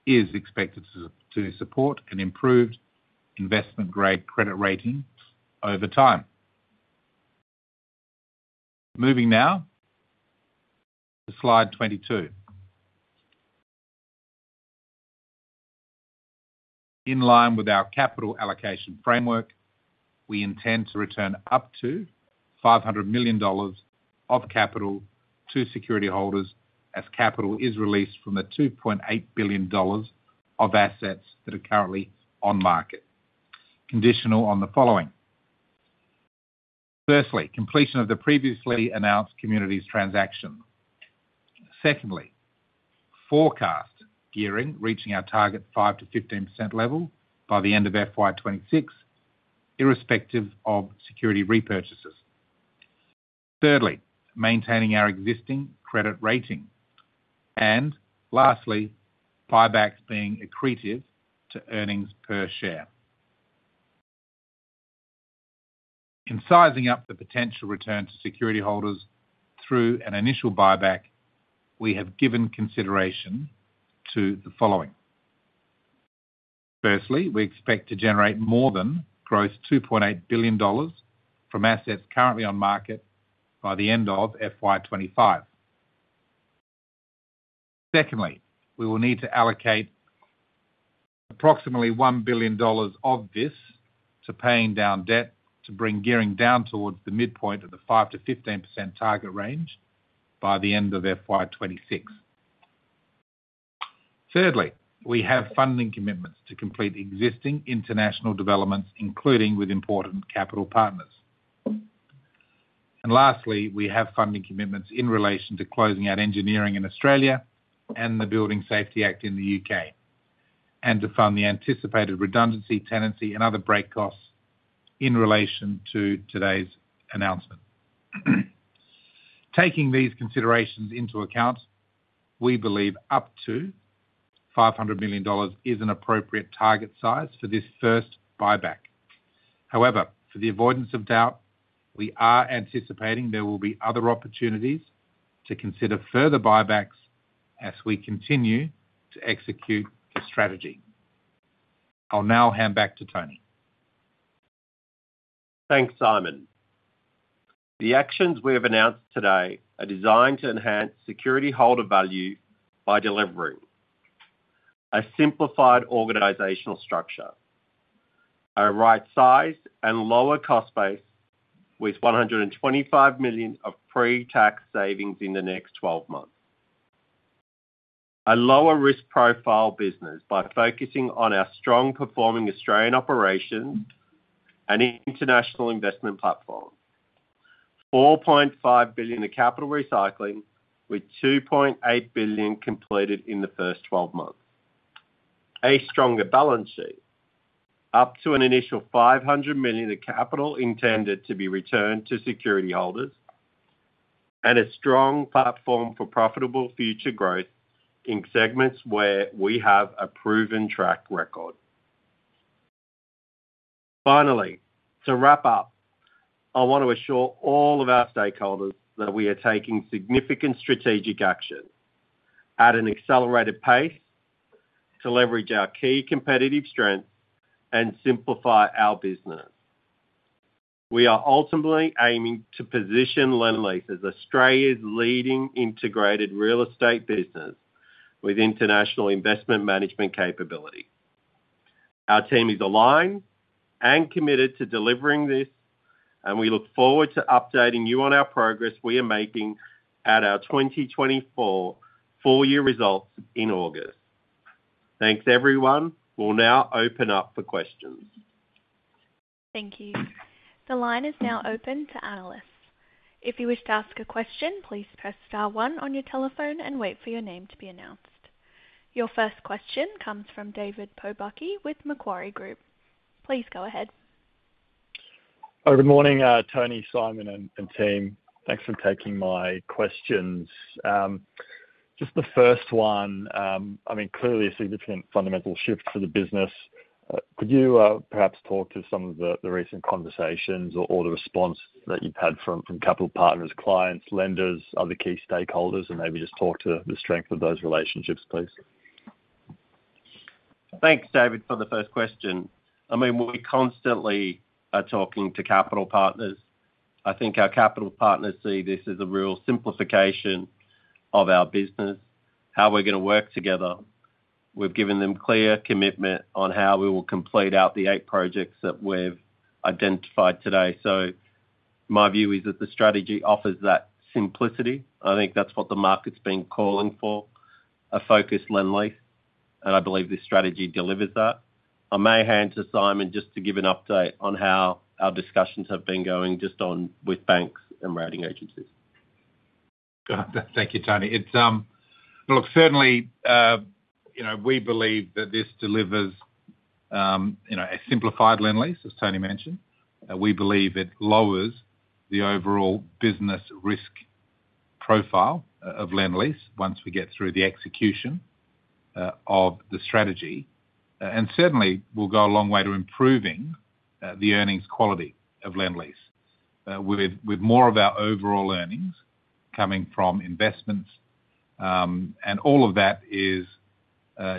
S4: is expected to support an improved investment-grade credit rating over time. Moving now to Slide 22. In line with our capital allocation framework, we intend to return up to 500 million dollars of capital to security holders as capital is released from the 2.8 billion dollars of assets that are currently on market, conditional on the following. Firstly, completion of the previously announced communities transaction. Secondly, forecast gearing reaching our target 5%-15% level by the end of FY 2026, irrespective of security repurchases. Thirdly, maintaining our existing credit rating. And lastly, buybacks being accretive to earnings per share. In sizing up the potential return to security holders through an initial buyback, we have given consideration to the following. Firstly, we expect to generate more than gross 2.8 billion dollars from assets currently on market by the end of FY25. Secondly, we will need to allocate approximately 1 billion dollars of this to paying down debt to bring gearing down towards the midpoint of the 5%-15% target range by the end of FY26. Thirdly, we have funding commitments to complete existing international developments, including with important capital partners. And lastly, we have funding commitments in relation to closing out engineering in Australia and the Building Safety Act in the U.K., and to fund the anticipated redundancy, tenancy, and other break costs in relation to today's announcement. Taking these considerations into account, we believe up to 500 million dollars is an appropriate target size for this first buyback. However, for the avoidance of doubt, we are anticipating there will be other opportunities to consider further buybacks as we continue to execute the strategy.... I'll now hand back to Tony.
S2: Thanks, Simon. The actions we have announced today are designed to enhance Security Holder value by delivering a simplified organizational structure, a right size and lower cost base with 125 million of pre-tax savings in the next 12 months. A lower risk profile business by focusing on our strong performing Australian operations and international investment platform. 4.5 billion of capital recycling with 2.8 billion completed in the first 12 months. A stronger balance sheet, up to an initial 500 million of capital intended to be returned to Security Holders, and a strong platform for profitable future growth in segments where we have a proven track record. Finally, to wrap up, I want to assure all of our stakeholders that we are taking significant strategic action at an accelerated pace to leverage our key competitive strengths and simplify our business. We are ultimately aiming to position Lendlease as Australia's leading integrated real estate business with international investment management capability. Our team is aligned and committed to delivering this, and we look forward to updating you on our progress we are making at our 2024 full year results in August. Thanks, everyone. We'll now open up for questions.
S1: Thank you. The line is now open to analysts. If you wish to ask a question, please press star one on your telephone and wait for your name to be announced. Your first question comes from David Pobucky with Macquarie Group. Please go ahead.
S5: Oh, good morning, Tony, Simon, and team. Thanks for taking my questions. Just the first one, I mean, clearly a significant fundamental shift to the business. Could you perhaps talk to some of the recent conversations or the response that you've had from capital partners, clients, lenders, other key stakeholders, and maybe just talk to the strength of those relationships, please?
S2: Thanks, David, for the first question. I mean, we constantly are talking to capital partners. I think our capital partners see this as a real simplification of our business, how we're gonna work together. We've given them clear commitment on how we will complete out the 8 projects that we've identified today. So my view is that the strategy offers that simplicity. I think that's what the market's been calling for, a focused Lendlease, and I believe this strategy delivers that. I may hand to Simon just to give an update on how our discussions have been going just on with banks and rating agencies.
S4: Thank you, Tony. It's... Look, certainly, you know, we believe that this delivers, you know, a simplified Lendlease, as Tony mentioned. We believe it lowers the overall business risk profile of Lendlease once we get through the execution of the strategy. And certainly, will go a long way to improving the earnings quality of Lendlease with more of our overall earnings coming from investments. And all of that is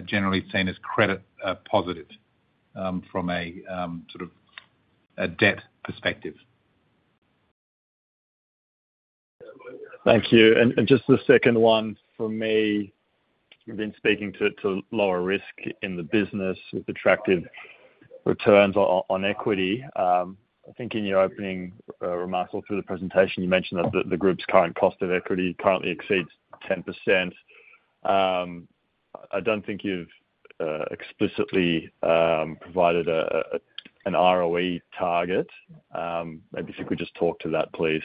S4: generally seen as credit positive from a sort of a debt perspective.
S5: Thank you. And just the second one from me. You've been speaking to lower risk in the business with attractive returns on equity. I think in your opening remarks or through the presentation, you mentioned that the group's current cost of equity currently exceeds 10%. I don't think you've explicitly provided an ROE target. Maybe if you could just talk to that, please.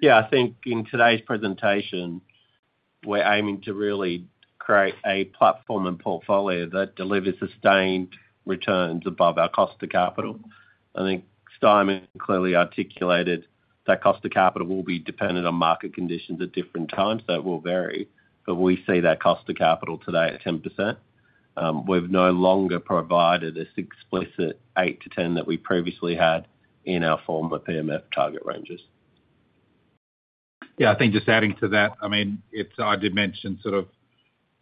S2: Yeah, I think in today's presentation, we're aiming to really create a platform and portfolio that delivers sustained returns above our cost of capital. I think Simon clearly articulated that cost of capital will be dependent on market conditions at different times. So it will vary, but we see that cost of capital today at 10%. We've no longer provided this explicit 8%-10% that we previously had in our former PMF target ranges.
S4: Yeah, I think just adding to that, I mean, it's I did mention sort of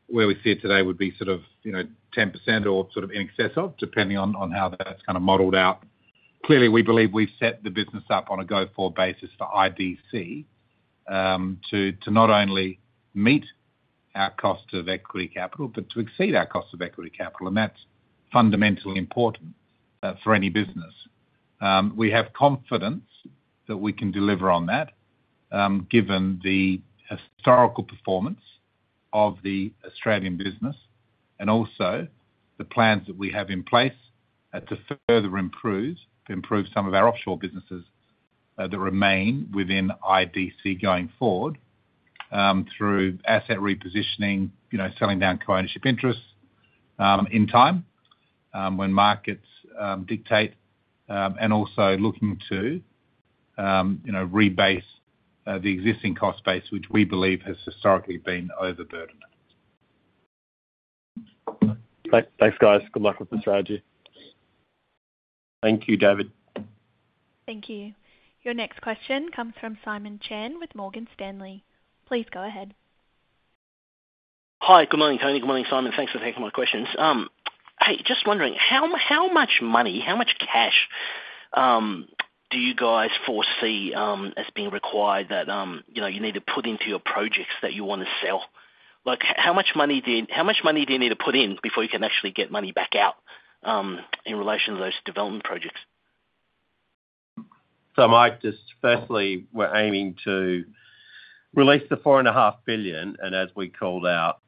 S4: where we see it today would be sort of, you know, 10% or sort of in excess of, depending on how that's kind of modeled out. Clearly, we believe we've set the business up on a go-forward basis for IDC to not only meet our cost of equity capital, but to exceed our cost of equity capital, and that's fundamentally important for any business. We have confidence that we can deliver on that, given the historical performance of the Australian business, and also the plans that we have in place, to further improve, to improve some of our offshore businesses, that remain within IDC going forward, through asset repositioning, you know, selling down co-ownership interests, in time, when markets dictate, and also looking to, you know, rebase the existing cost base, which we believe has historically been overburdened.
S5: Thanks, guys. Good luck with the strategy....
S2: Thank you, David.
S1: Thank you. Your next question comes from Simon Chan with Morgan Stanley. Please go ahead.
S6: Hi, good morning, Tony. Good morning, Simon. Thanks for taking my questions. Hey, just wondering, how much money, how much cash, do you guys foresee as being required that you know you need to put into your projects that you want to sell? Like, how much money do you need to put in before you can actually get money back out, in relation to those development projects?
S2: So Mike, just firstly, we're aiming to release the 4.5 billion, and as we called out,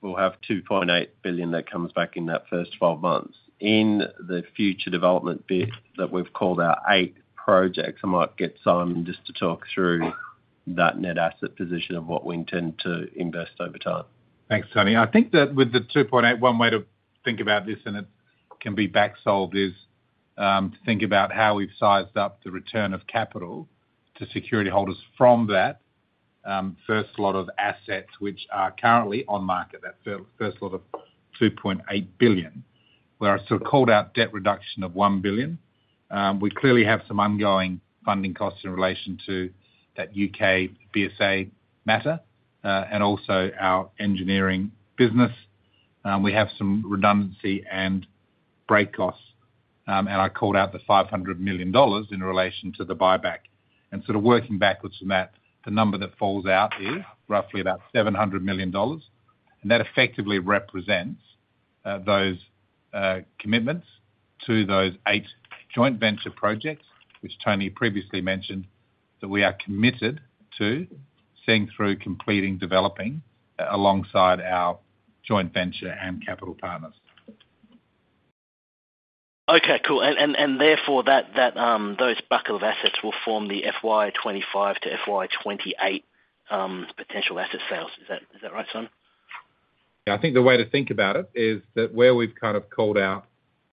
S2: we'll have 2.8 billion that comes back in that first 12 months. In the future development bit that we've called out 8 projects, I might get Simon just to talk through that net asset position of what we intend to invest over time.
S4: Thanks, Tony. I think that with the 2.8, one way to think about this, and it can be back solved, is to think about how we've sized up the return of capital to security holders from that, first lot of assets which are currently on market, that first lot of 2.8 billion. Where I sort of called out debt reduction of 1 billion, we clearly have some ongoing funding costs in relation to that UK BSA matter, and also our engineering business. We have some redundancy and break costs, and I called out the 500 million dollars in relation to the buyback. And sort of working backwards from that, the number that falls out is roughly about 700 million dollars. That effectively represents those commitments to those eight joint venture projects, which Tony previously mentioned, that we are committed to seeing through completing, developing alongside our joint venture and capital partners.
S6: Okay, cool. And therefore, that those bucket of assets will form the FY 2025 to FY 2028 potential asset sales. Is that right, Simon?
S4: Yeah, I think the way to think about it is that where we've kind of called out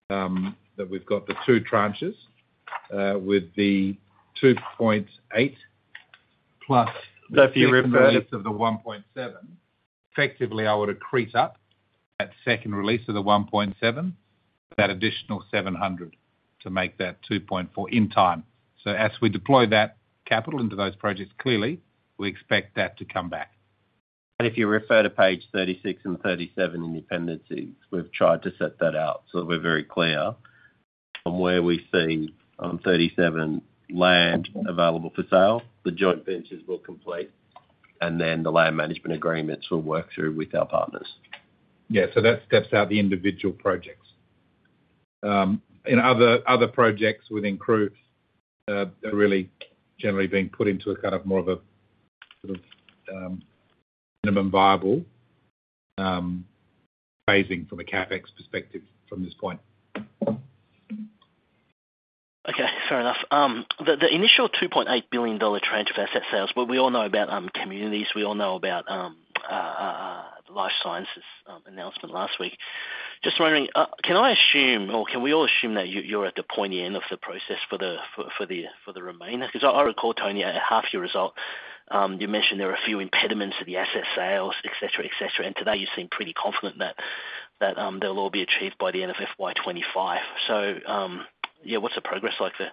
S4: that we've got the two tranches with the 2.8 billion +
S6: If you refer-
S4: the release of the 1.7 billion, effectively, I would accrete up that second release of the 1.7 billion, that additional 700 million to make that 2.4 billion in time. So as we deploy that capital into those projects, clearly, we expect that to come back.
S2: If you refer to page 36 and 37 in the appendices, we've tried to set that out so that we're very clear on where we see, on 37, land available for sale, the joint ventures will complete, and then the land management agreements we'll work through with our partners.
S4: Yeah. So that steps out the individual projects. In other projects within CRUs are really generally being put into a kind of more of a sort of minimum viable phasing from a CapEx perspective from this point.
S6: Okay, fair enough. The initial 2.8 billion dollar tranche of asset sales, but we all know about communities, we all know about life sciences announcement last week. Just wondering, can I assume or can we all assume that you, you're at the pointy end of the process for the remainder? Because I recall, Tony, at half your result, you mentioned there were a few impediments to the asset sales, et cetera, et cetera. Today, you seem pretty confident that they'll all be achieved by the end of FY25. So, yeah, what's the progress like there?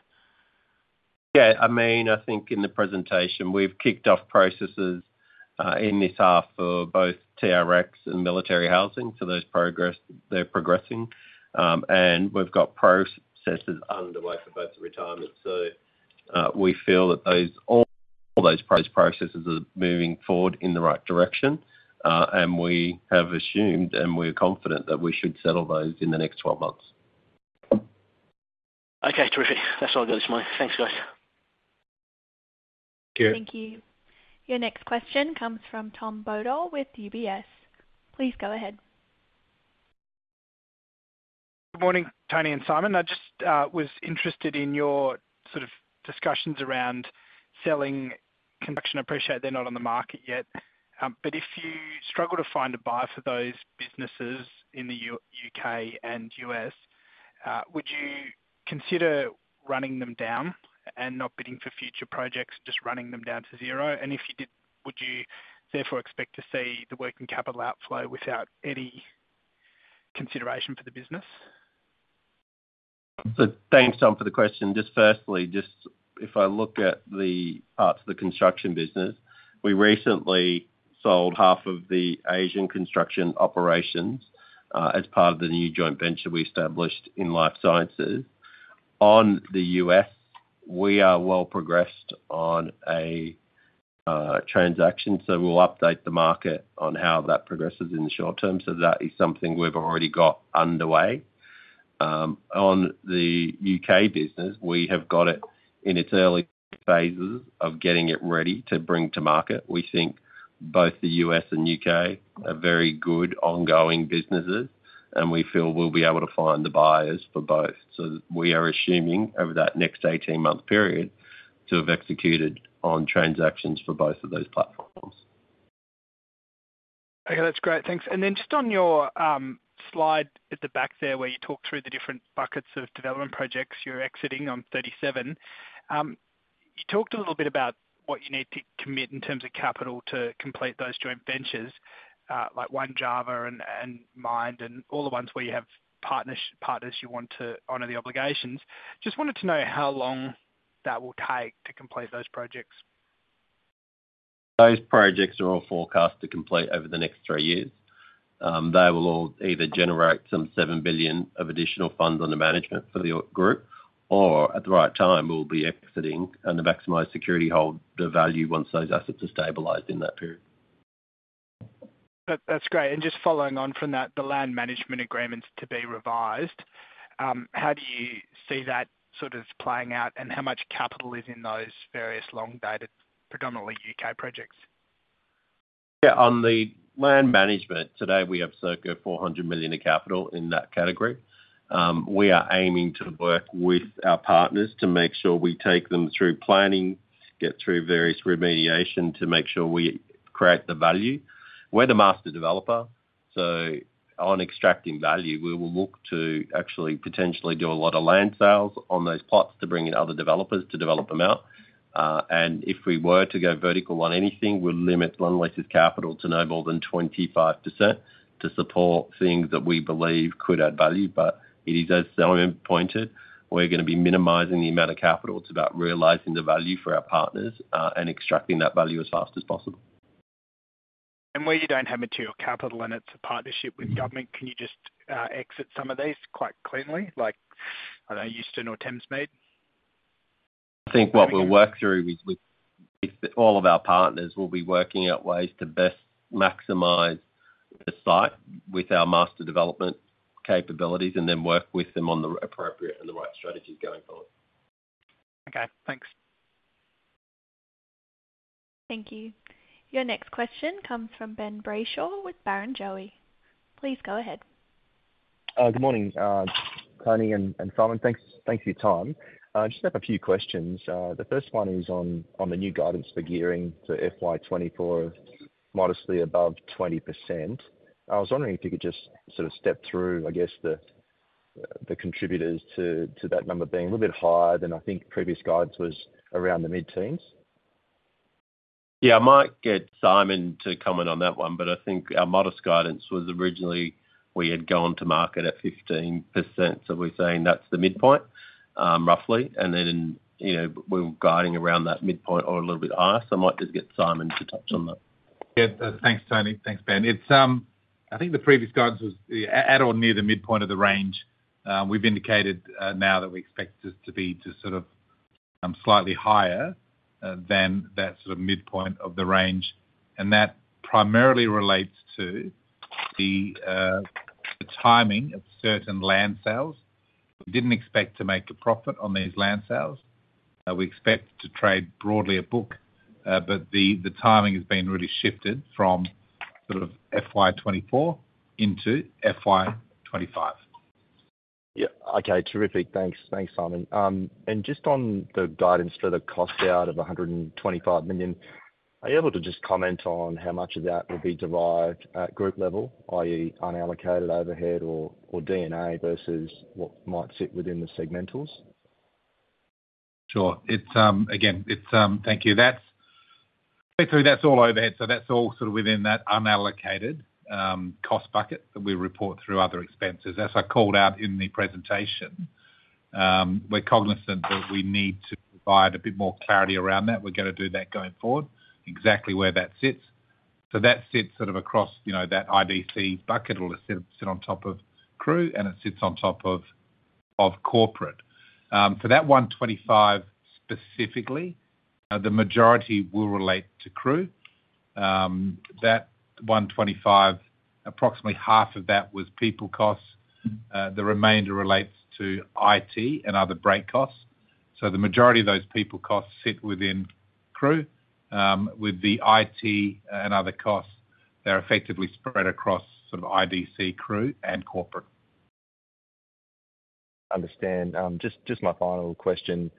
S2: Yeah, I mean, I think in the presentation, we've kicked off processes in this half for both TRX and military housing. So those processes, they're progressing. And we've got processes underway for both Retirements. So, we feel that those all, all those processes are moving forward in the right direction, and we have assumed, and we're confident that we should settle those in the next 12 months.
S6: Okay, terrific. That's all I got this morning. Thanks, guys.
S2: Thank you.
S1: Thank you. Your next question comes from Tom Bodor with UBS. Please go ahead.
S7: Good morning, Tony and Simon. I just was interested in your sort of discussions around selling construction. I appreciate they're not on the market yet, but if you struggle to find a buyer for those businesses in the U.K. and U.S., would you consider running them down and not bidding for future projects, just running them down to zero? And if you did, would you therefore expect to see the working capital outflow without any consideration for the business?
S2: So thanks, Tom, for the question. Just firstly, just if I look at the parts of the construction business, we recently sold half of the Asian Construction operations, as part of the new joint venture we established in life sciences. On the U.S., we are well progressed on a transaction, so we'll update the market on how that progresses in the short term. So that is something we've already got underway. On the U.K. business, we have got it in its early phases of getting it ready to bring to market. We think both the U.S. and U.K. are very good ongoing businesses, and we feel we'll be able to find the buyers for both. So we are assuming over that next 18-month period, to have executed on transactions for both of those platforms.
S7: Okay, that's great. Thanks. And then just on your slide at the back there, where you talk through the different buckets of development projects you're exiting on 37. You talked a little bit about what you need to commit in terms of capital to complete those joint ventures, like One Java and, and MIND, and all the ones where you have partners, partners you want to honor the obligations. Just wanted to know how long that will take to complete those projects?
S2: Those projects are all forecast to complete over the next three years. They will all either generate some 7 billion of additional funds under management for our group, or at the right time, we'll be exiting and maximize security holder value once those assets are stabilized in that period.
S7: That, that's great. And just following on from that, the land management agreements to be revised, how do you see that sort of playing out, and how much capital is in those various long-dated, predominantly U.K. projects?
S2: Yeah, on the land management, today, we have circa 400 million in capital in that category. We are aiming to work with our partners to make sure we take them through planning, get through various remediation to make sure we create the value. We're the master developer, so on extracting value, we will look to actually potentially do a lot of land sales on those plots to bring in other developers to develop them out. And if we were to go vertical on anything, we'll limit Lendlease's capital to no more than 25% to support things that we believe could add value. But it is, as Simon pointed, we're gonna be minimizing the amount of capital. It's about realizing the value for our partners, and extracting that value as fast as possible.
S7: Where you don't have material capital and it's a partnership with government, can you just exit some of these quite cleanly? Like, I don't know, Euston or Thamesmead.
S2: I think what we'll work through is with all of our partners, we'll be working out ways to best maximize the site with our master development capabilities and then work with them on the appropriate and the right strategies going forward.
S7: Okay, thanks.
S1: Thank you. Your next question comes from Ben Brayshaw with Barrenjoey. Please go ahead.
S8: Good morning, Tony and Simon. Thanks, thank you for your time. Just have a few questions. The first one is on the new guidance for gearing to FY 2024, modestly above 20%. I was wondering if you could just sort of step through, I guess, the contributors to that number being a little bit higher than I think previous guidance was around the mid-teens.
S2: Yeah, I might get Simon to comment on that one, but I think our modest guidance was originally we had gone to market at 15%, so we're saying that's the midpoint, roughly, and then, you know, we're guiding around that midpoint or a little bit higher. So I might just get Simon to touch on that.
S6: Yeah. Thanks, Tony. Thanks, Ben. It's... I think the previous guidance was at or near the midpoint of the range. We've indicated now that we expect this to be sort of slightly higher than that sort of midpoint of the range, and that primarily relates to the timing of certain land sales. We didn't expect to make a profit on these land sales, we expect to trade broadly at book, but the timing has been really shifted from sort of FY 2024 into FY 2025.
S8: Yeah. Okay. Terrific. Thanks. Thanks, Simon. And just on the guidance for the cost out of 125 million, are you able to just comment on how much of that will be derived at group level, i.e., unallocated overhead, or D&A versus what might sit within the segmentals?
S2: Sure. Again, it's thank you. That's basically all overhead, so that's all sort of within that unallocated cost bucket that we report through other expenses. As I called out in the presentation, we're cognizant that we need to provide a bit more clarity around that. We're gonna do that going forward, exactly where that sits. So that sits sort of across, you know, that IDC bucket or it sits on top of CRU, and it sits on top of corporate. For that 125 million specifically, the majority will relate to CRU. That 125 million, approximately half of that was people costs. The remainder relates to IT and other break costs. So the majority of those people costs sit within CRU, with the IT and other costs, they're effectively spread across sort of IDC, CRU, and corporate.
S8: Understand. Just, just my final question.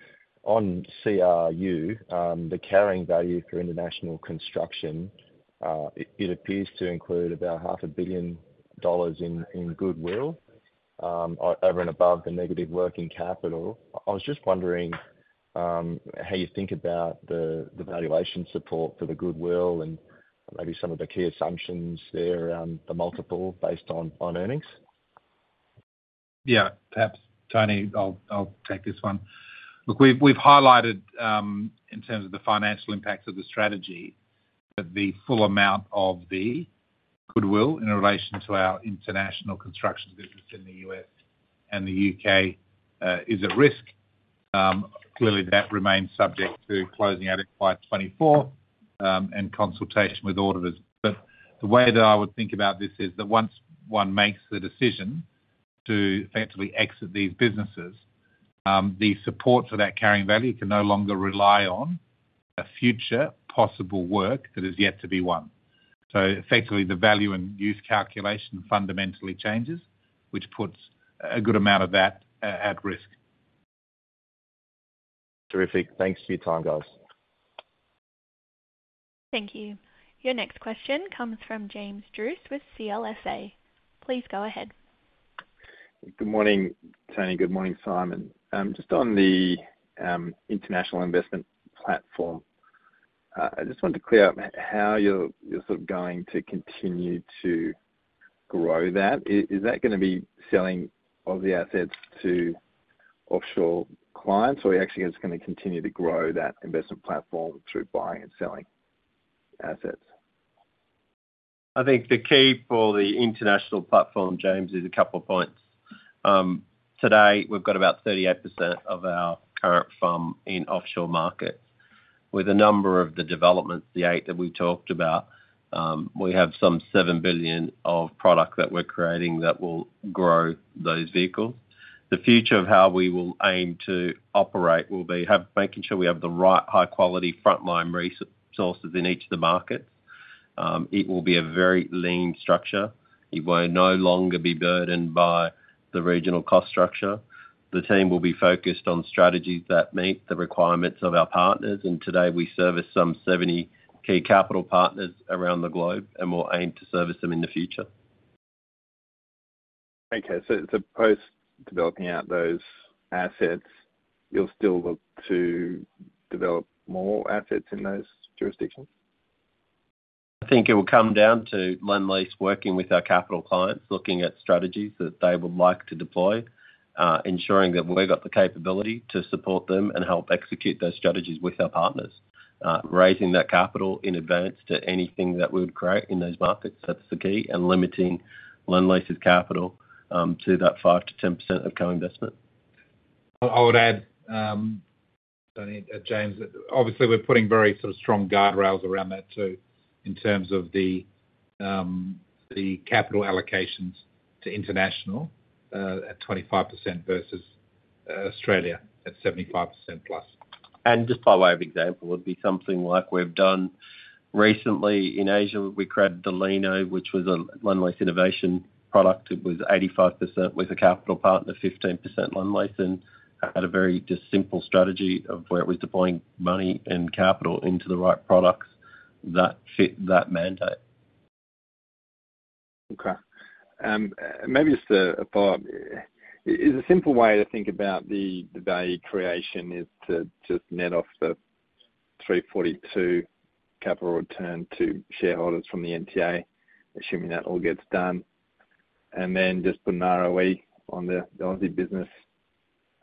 S8: On CRU, the carrying value for international construction, it, it appears to include about $500 million in goodwill, over and above the negative working capital. I was just wondering, how you think about the valuation support for the goodwill and maybe some of the key assumptions there around the multiple based on earnings?
S4: Yeah. Perhaps, Tony, I'll take this one. Look, we've highlighted, in terms of the financial impact of the strategy, that the full amount of the goodwill in relation to our international construction business in the U.S. and the U.K., is at risk. Clearly, that remains subject to closing out at FY 2024, and consultation with auditors. But the way that I would think about this is that once one makes the decision to effectively exit these businesses, the support for that carrying value can no longer rely on the future possible work that is yet to be won. So effectively, the value in use calculation fundamentally changes, which puts a good amount of that at risk.
S8: Terrific. Thanks for your time, guys....
S1: Thank you. Your next question comes from James Druce with CLSA. Please go ahead.
S9: Good morning, Tony. Good morning, Simon. Just on the international investment platform, I just wanted to clear up how you're sort of going to continue to grow that. Is that gonna be selling all the assets to offshore clients, or are you actually just gonna continue to grow that investment platform through buying and selling assets?
S2: I think the key for the international platform, James, is a couple of points. Today, we've got about 38% of our current FUM in offshore markets. With a number of the developments, the eight that we talked about, we have some 7 billion of product that we're creating that will grow those vehicles. The future of how we will aim to operate will be making sure we have the right high-quality frontline resources in each of the markets. It will be a very lean structure. It will no longer be burdened by the regional cost structure. The team will be focused on strategies that meet the requirements of our partners, and today we service some 70 key capital partners around the globe, and we'll aim to service them in the future.
S9: Okay, so as opposed to developing out those assets, you'll still look to develop more assets in those jurisdictions?
S2: I think it will come down to Lendlease working with our capital clients, looking at strategies that they would like to deploy, ensuring that we've got the capability to support them and help execute those strategies with our partners. Raising that capital in advance to anything that we would create in those markets, that's the key, and limiting Lendlease's capital, to that 5%-10% of co-investment.
S4: I would add, Tony, James, obviously we're putting very sort of strong guardrails around that, too, in terms of the capital allocations to international at 25% versus Australia at 75%+.
S2: Just by way of example, it would be something like we've done recently in Asia. We created the LINO, which was a Lendlease innovation product. It was 85% with a capital partner, 15% Lendlease, and had a very just simple strategy of where it was deploying money and capital into the right products that fit that mandate.
S9: Okay. Maybe just a follow-up. Is a simple way to think about the value creation to just net off the 3.42 capital return to shareholders from the NTA, assuming that all gets done, and then just put an ROE on the Aussie business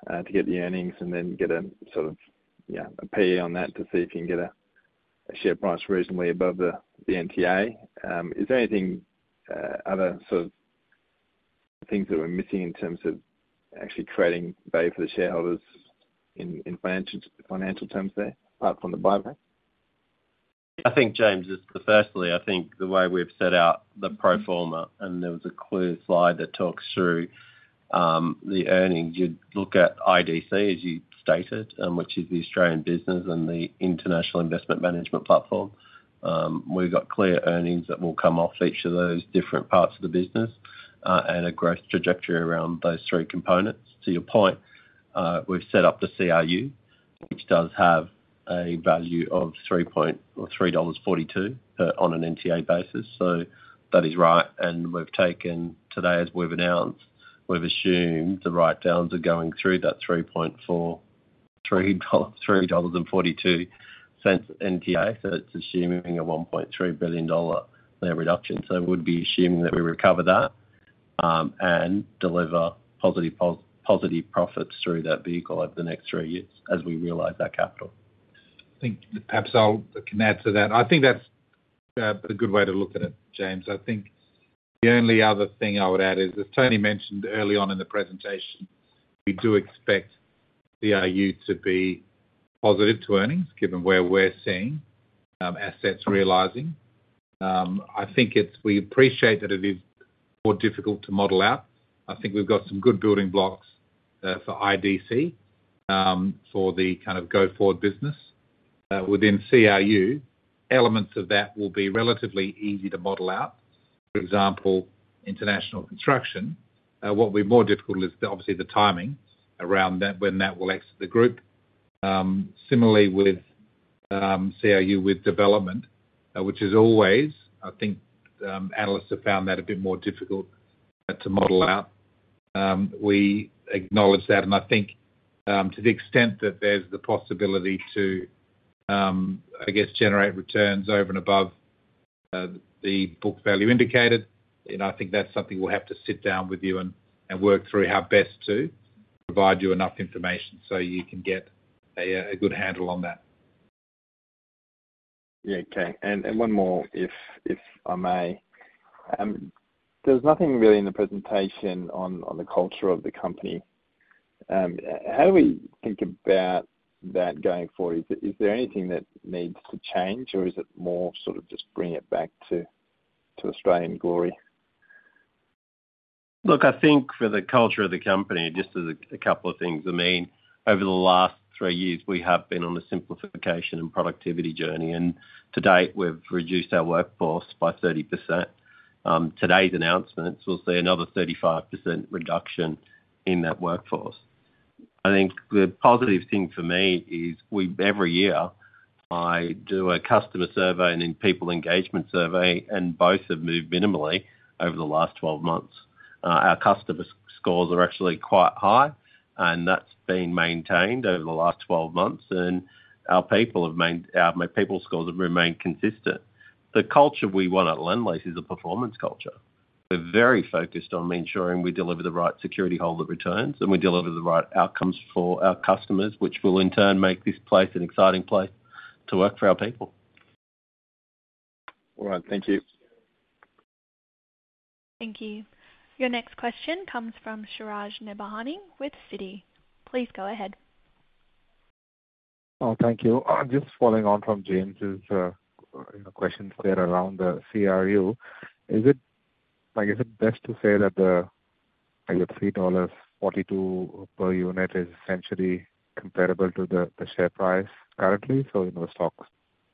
S9: to get the earnings, and then get a sort of, yeah, a PE on that to see if you can get a share price reasonably above the NTA? Is there anything other sort of things that we're missing in terms of actually creating value for the shareholders in financial terms there, apart from the buyback?
S2: I think, James, is firstly, I think the way we've set out the pro forma, and there was a clear slide that talks through the earnings. You'd look at IDC, as you stated, which is the Australian business and the international investment management platform. We've got clear earnings that will come off each of those different parts of the business, and a growth trajectory around those three components. To your point, we've set up the CRU, which does have a value of 3.42 dollars on an NTA basis. So that is right, and we've taken today, as we've announced, we've assumed the write downs are going through that 3.42 dollars NTA. So it's assuming a 1.3 billion dollar reduction. So we'd be assuming that we recover that, and deliver positive profits through that vehicle over the next three years as we realize that capital.
S4: I think perhaps I can add to that. I think that's a good way to look at it, James. I think the only other thing I would add is, as Tony mentioned early on in the presentation, we do expect CRU to be positive to earnings, given where we're seeing assets realizing. I think we appreciate that it is more difficult to model out. I think we've got some good building blocks for IDC for the kind of go-forward business. Within CRU, elements of that will be relatively easy to model out. For example, international construction. What will be more difficult is obviously the timing around that, when that will exit the group. Similarly with CRU with development, which is always, I think, analysts have found that a bit more difficult to model out. We acknowledge that, and I think, to the extent that there's the possibility to, I guess, generate returns over and above, the book value indicated, you know, I think that's something we'll have to sit down with you and, and work through how best to provide you enough information so you can get a, a good handle on that.
S9: Yeah, okay. And one more, if I may. There's nothing really in the presentation on the culture of the company. How do we think about that going forward? Is there anything that needs to change, or is it more sort of just bring it back to Australian glory?
S2: Look, I think for the culture of the company, just as a couple of things. I mean, over the last three years, we have been on a simplification and productivity journey, and to date, we've reduced our workforce by 30%. Today's announcements will see another 35% reduction in that workforce. I think the positive thing for me is we every year, I do a customer survey and then people engagement survey, and both have moved minimally over the last 12 months. Our customer scores are actually quite high, and that's been maintained over the last 12 months, and our people have, my people scores have remained consistent. The culture we want at Lendlease is a performance culture. We're very focused on ensuring we deliver the right Security Holder returns, and we deliver the right outcomes for our customers, which will in turn make this place an exciting place to work for our people.
S9: All right, thank you.
S1: Thank you. Your next question comes from Suraj Nebhani with Citi. Please go ahead.
S10: Oh, thank you. Just following on from James's, you know, questions there around the CRU. Is it, like, is it best to say that the, like, the 3.42 per unit is essentially comparable to the, the share price currently? So, you know, the stock's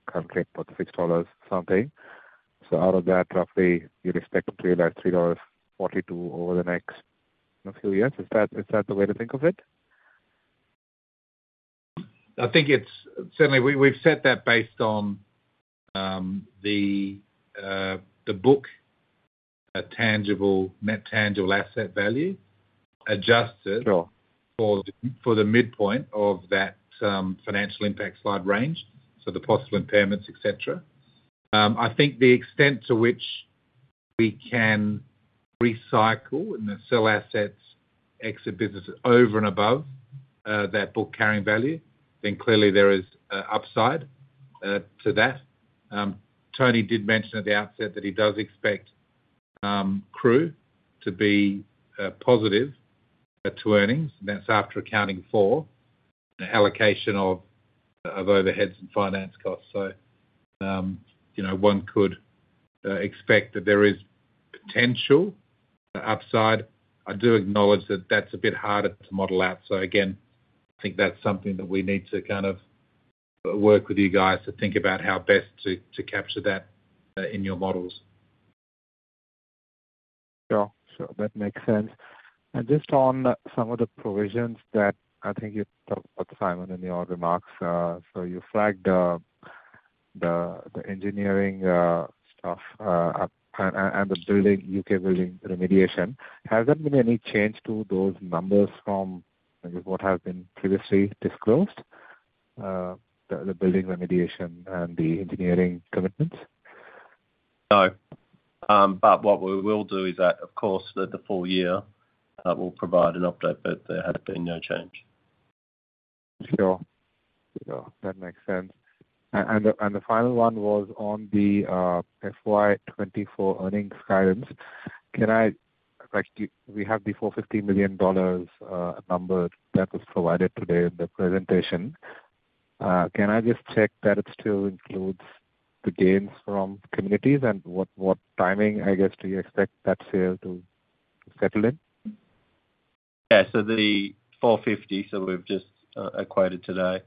S10: currently 6 dollars something. So out of that, roughly, you'd expect to realize 3.42 dollars over the next few years. Is that, is that the way to think of it?
S4: I think it's certainly we've set that based on the book net tangible asset value, adjusted-
S10: Sure.
S4: For the midpoint of that financial impact slide range, so the possible impairments, et cetera. I think the extent to which we can recycle and then sell assets, exit businesses over and above that book carrying value, then clearly there is upside to that. Tony did mention at the outset that he does expect CRU to be positive to earnings, and that's after accounting for the allocation of overheads and finance costs. So, you know, one could expect that there is potential upside. I do acknowledge that that's a bit harder to model out. So again, I think that's something that we need to kind of work with you guys to think about how best to capture that in your models.
S10: Sure. Sure, that makes sense. And just on some of the provisions that I think you talked about, Simon, in your remarks, so you flagged the engineering stuff, and the building, UK building remediation. Has there been any change to those numbers from what has been previously disclosed, the building remediation and the engineering commitments?
S2: No, but what we will do is that, of course, that the full year, we'll provide an update, but there has been no change.
S10: Sure. Sure, that makes sense. And the final one was on the FY 2024 earnings guidance. Can I-- Like, we have the 450 million dollars number that was provided today in the presentation. Can I just check that it still includes the gains from communities and what timing, I guess, do you expect that sale to settle in?
S2: Yeah, so the 450 million, so we've just equated today.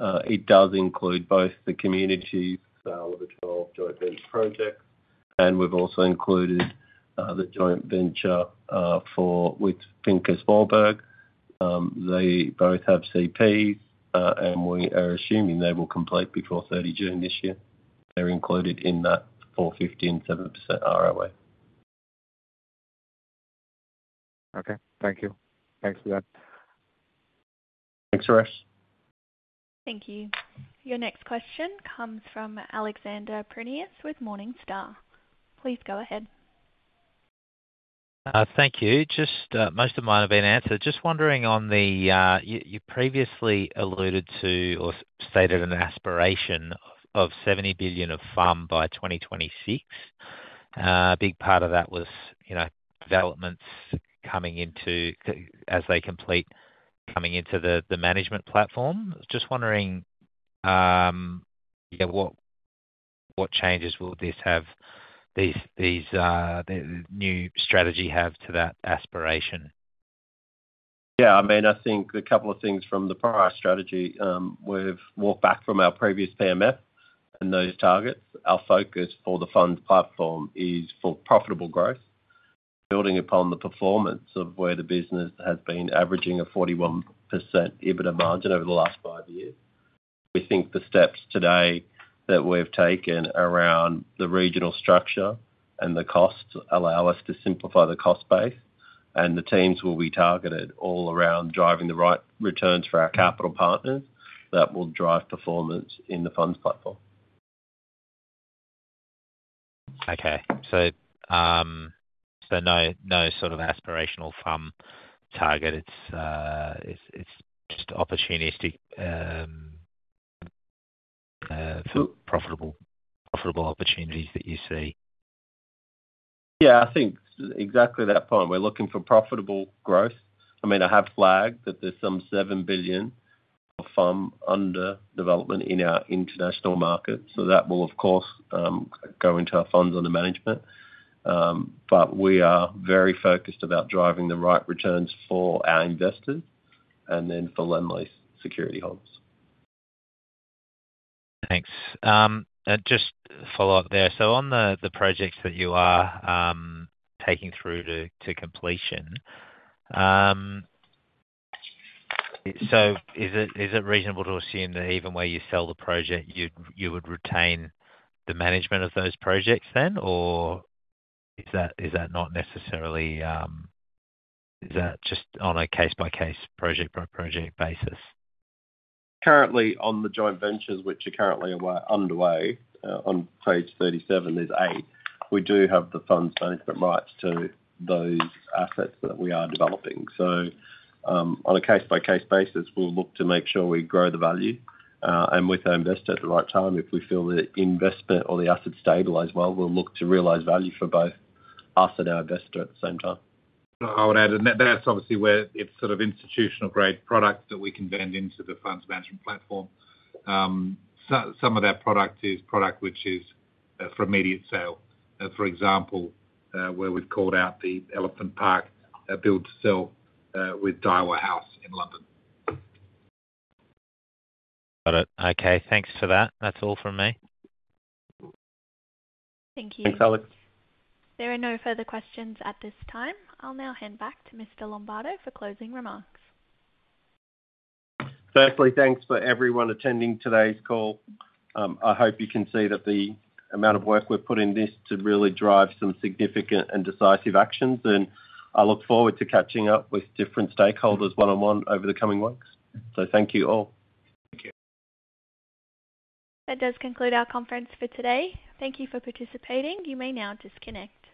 S2: It does include both the communities, the 12 joint venture projects, and we've also included the joint venture with Warburg Pincus. They both have CPs, and we are assuming they will complete before 30 June this year. They're included in that 450 million and 7% ROE.
S10: Okay, thank you. Thanks for that.
S2: Thanks, Suraj.
S1: Thank you. Your next question comes from Alex Prineas with Morningstar. Please go ahead.
S11: Thank you. Just, most of mine have been answered. Just wondering on the, you previously alluded to or stated an aspiration of 70 billion of FUM by 2026. A big part of that was, you know, developments coming into as they complete coming into the management platform. Just wondering, yeah, what changes will this have, these the new strategy have to that aspiration?
S4: Yeah, I mean, I think a couple of things from the prior strategy, we've walked back from our previous PMF and those targets. Our focus for the funds platform is for profitable growth, building upon the performance of where the business has been averaging a 41% EBITDA margin over the last five years. We think the steps today that we've taken around the regional structure and the costs allow us to simplify the cost base, and the teams will be targeted all around driving the right returns for our capital partners. That will drive performance in the funds platform.
S11: Okay. So, no sort of aspirational FUM target. It's just opportunistic, profitable opportunities that you see.
S4: Yeah, I think exactly that point. We're looking for profitable growth. I mean, I have flagged that there's some 7 billion of FUM under development in our international market, so that will, of course, go into our funds under management. But we are very focused about driving the right returns for our investors and then for Lendlease security holders.
S11: Thanks. And just follow up there. So on the projects that you are taking through to completion, so is it reasonable to assume that even where you sell the project, you would retain the management of those projects then? Or is that not necessarily, is that just on a case-by-case, project-by-project basis?
S4: Currently, on the joint ventures which are currently underway, on page 37, there's eight, we do have the funds management rights to those assets that we are developing. So, on a case-by-case basis, we'll look to make sure we grow the value, and with our investor at the right time, if we feel that the investment or the asset stabilize well, we'll look to realize value for both us and our investor at the same time.
S2: I would add, and that, that's obviously where it's sort of institutional-grade product that we can bend into the funds management platform. So some of that product is product which is, for immediate sale. For example, where we've called out the Elephant Park, build-to-sell, with Daiwa House in London.
S11: Got it. Okay, thanks for that. That's all from me.
S4: Thank you Alex.
S1: There are no further questions at this time. I'll now hand back to Mr. Lombardo for closing remarks.
S2: Firstly, thanks for everyone attending today's call. I hope you can see that the amount of work we've put in this to really drive some significant and decisive actions, and I look forward to catching up with different stakeholders one-on-one over the coming weeks. So thank you all.
S4: Thank you.
S1: That does conclude our conference for today. Thank you for participating. You may now disconnect.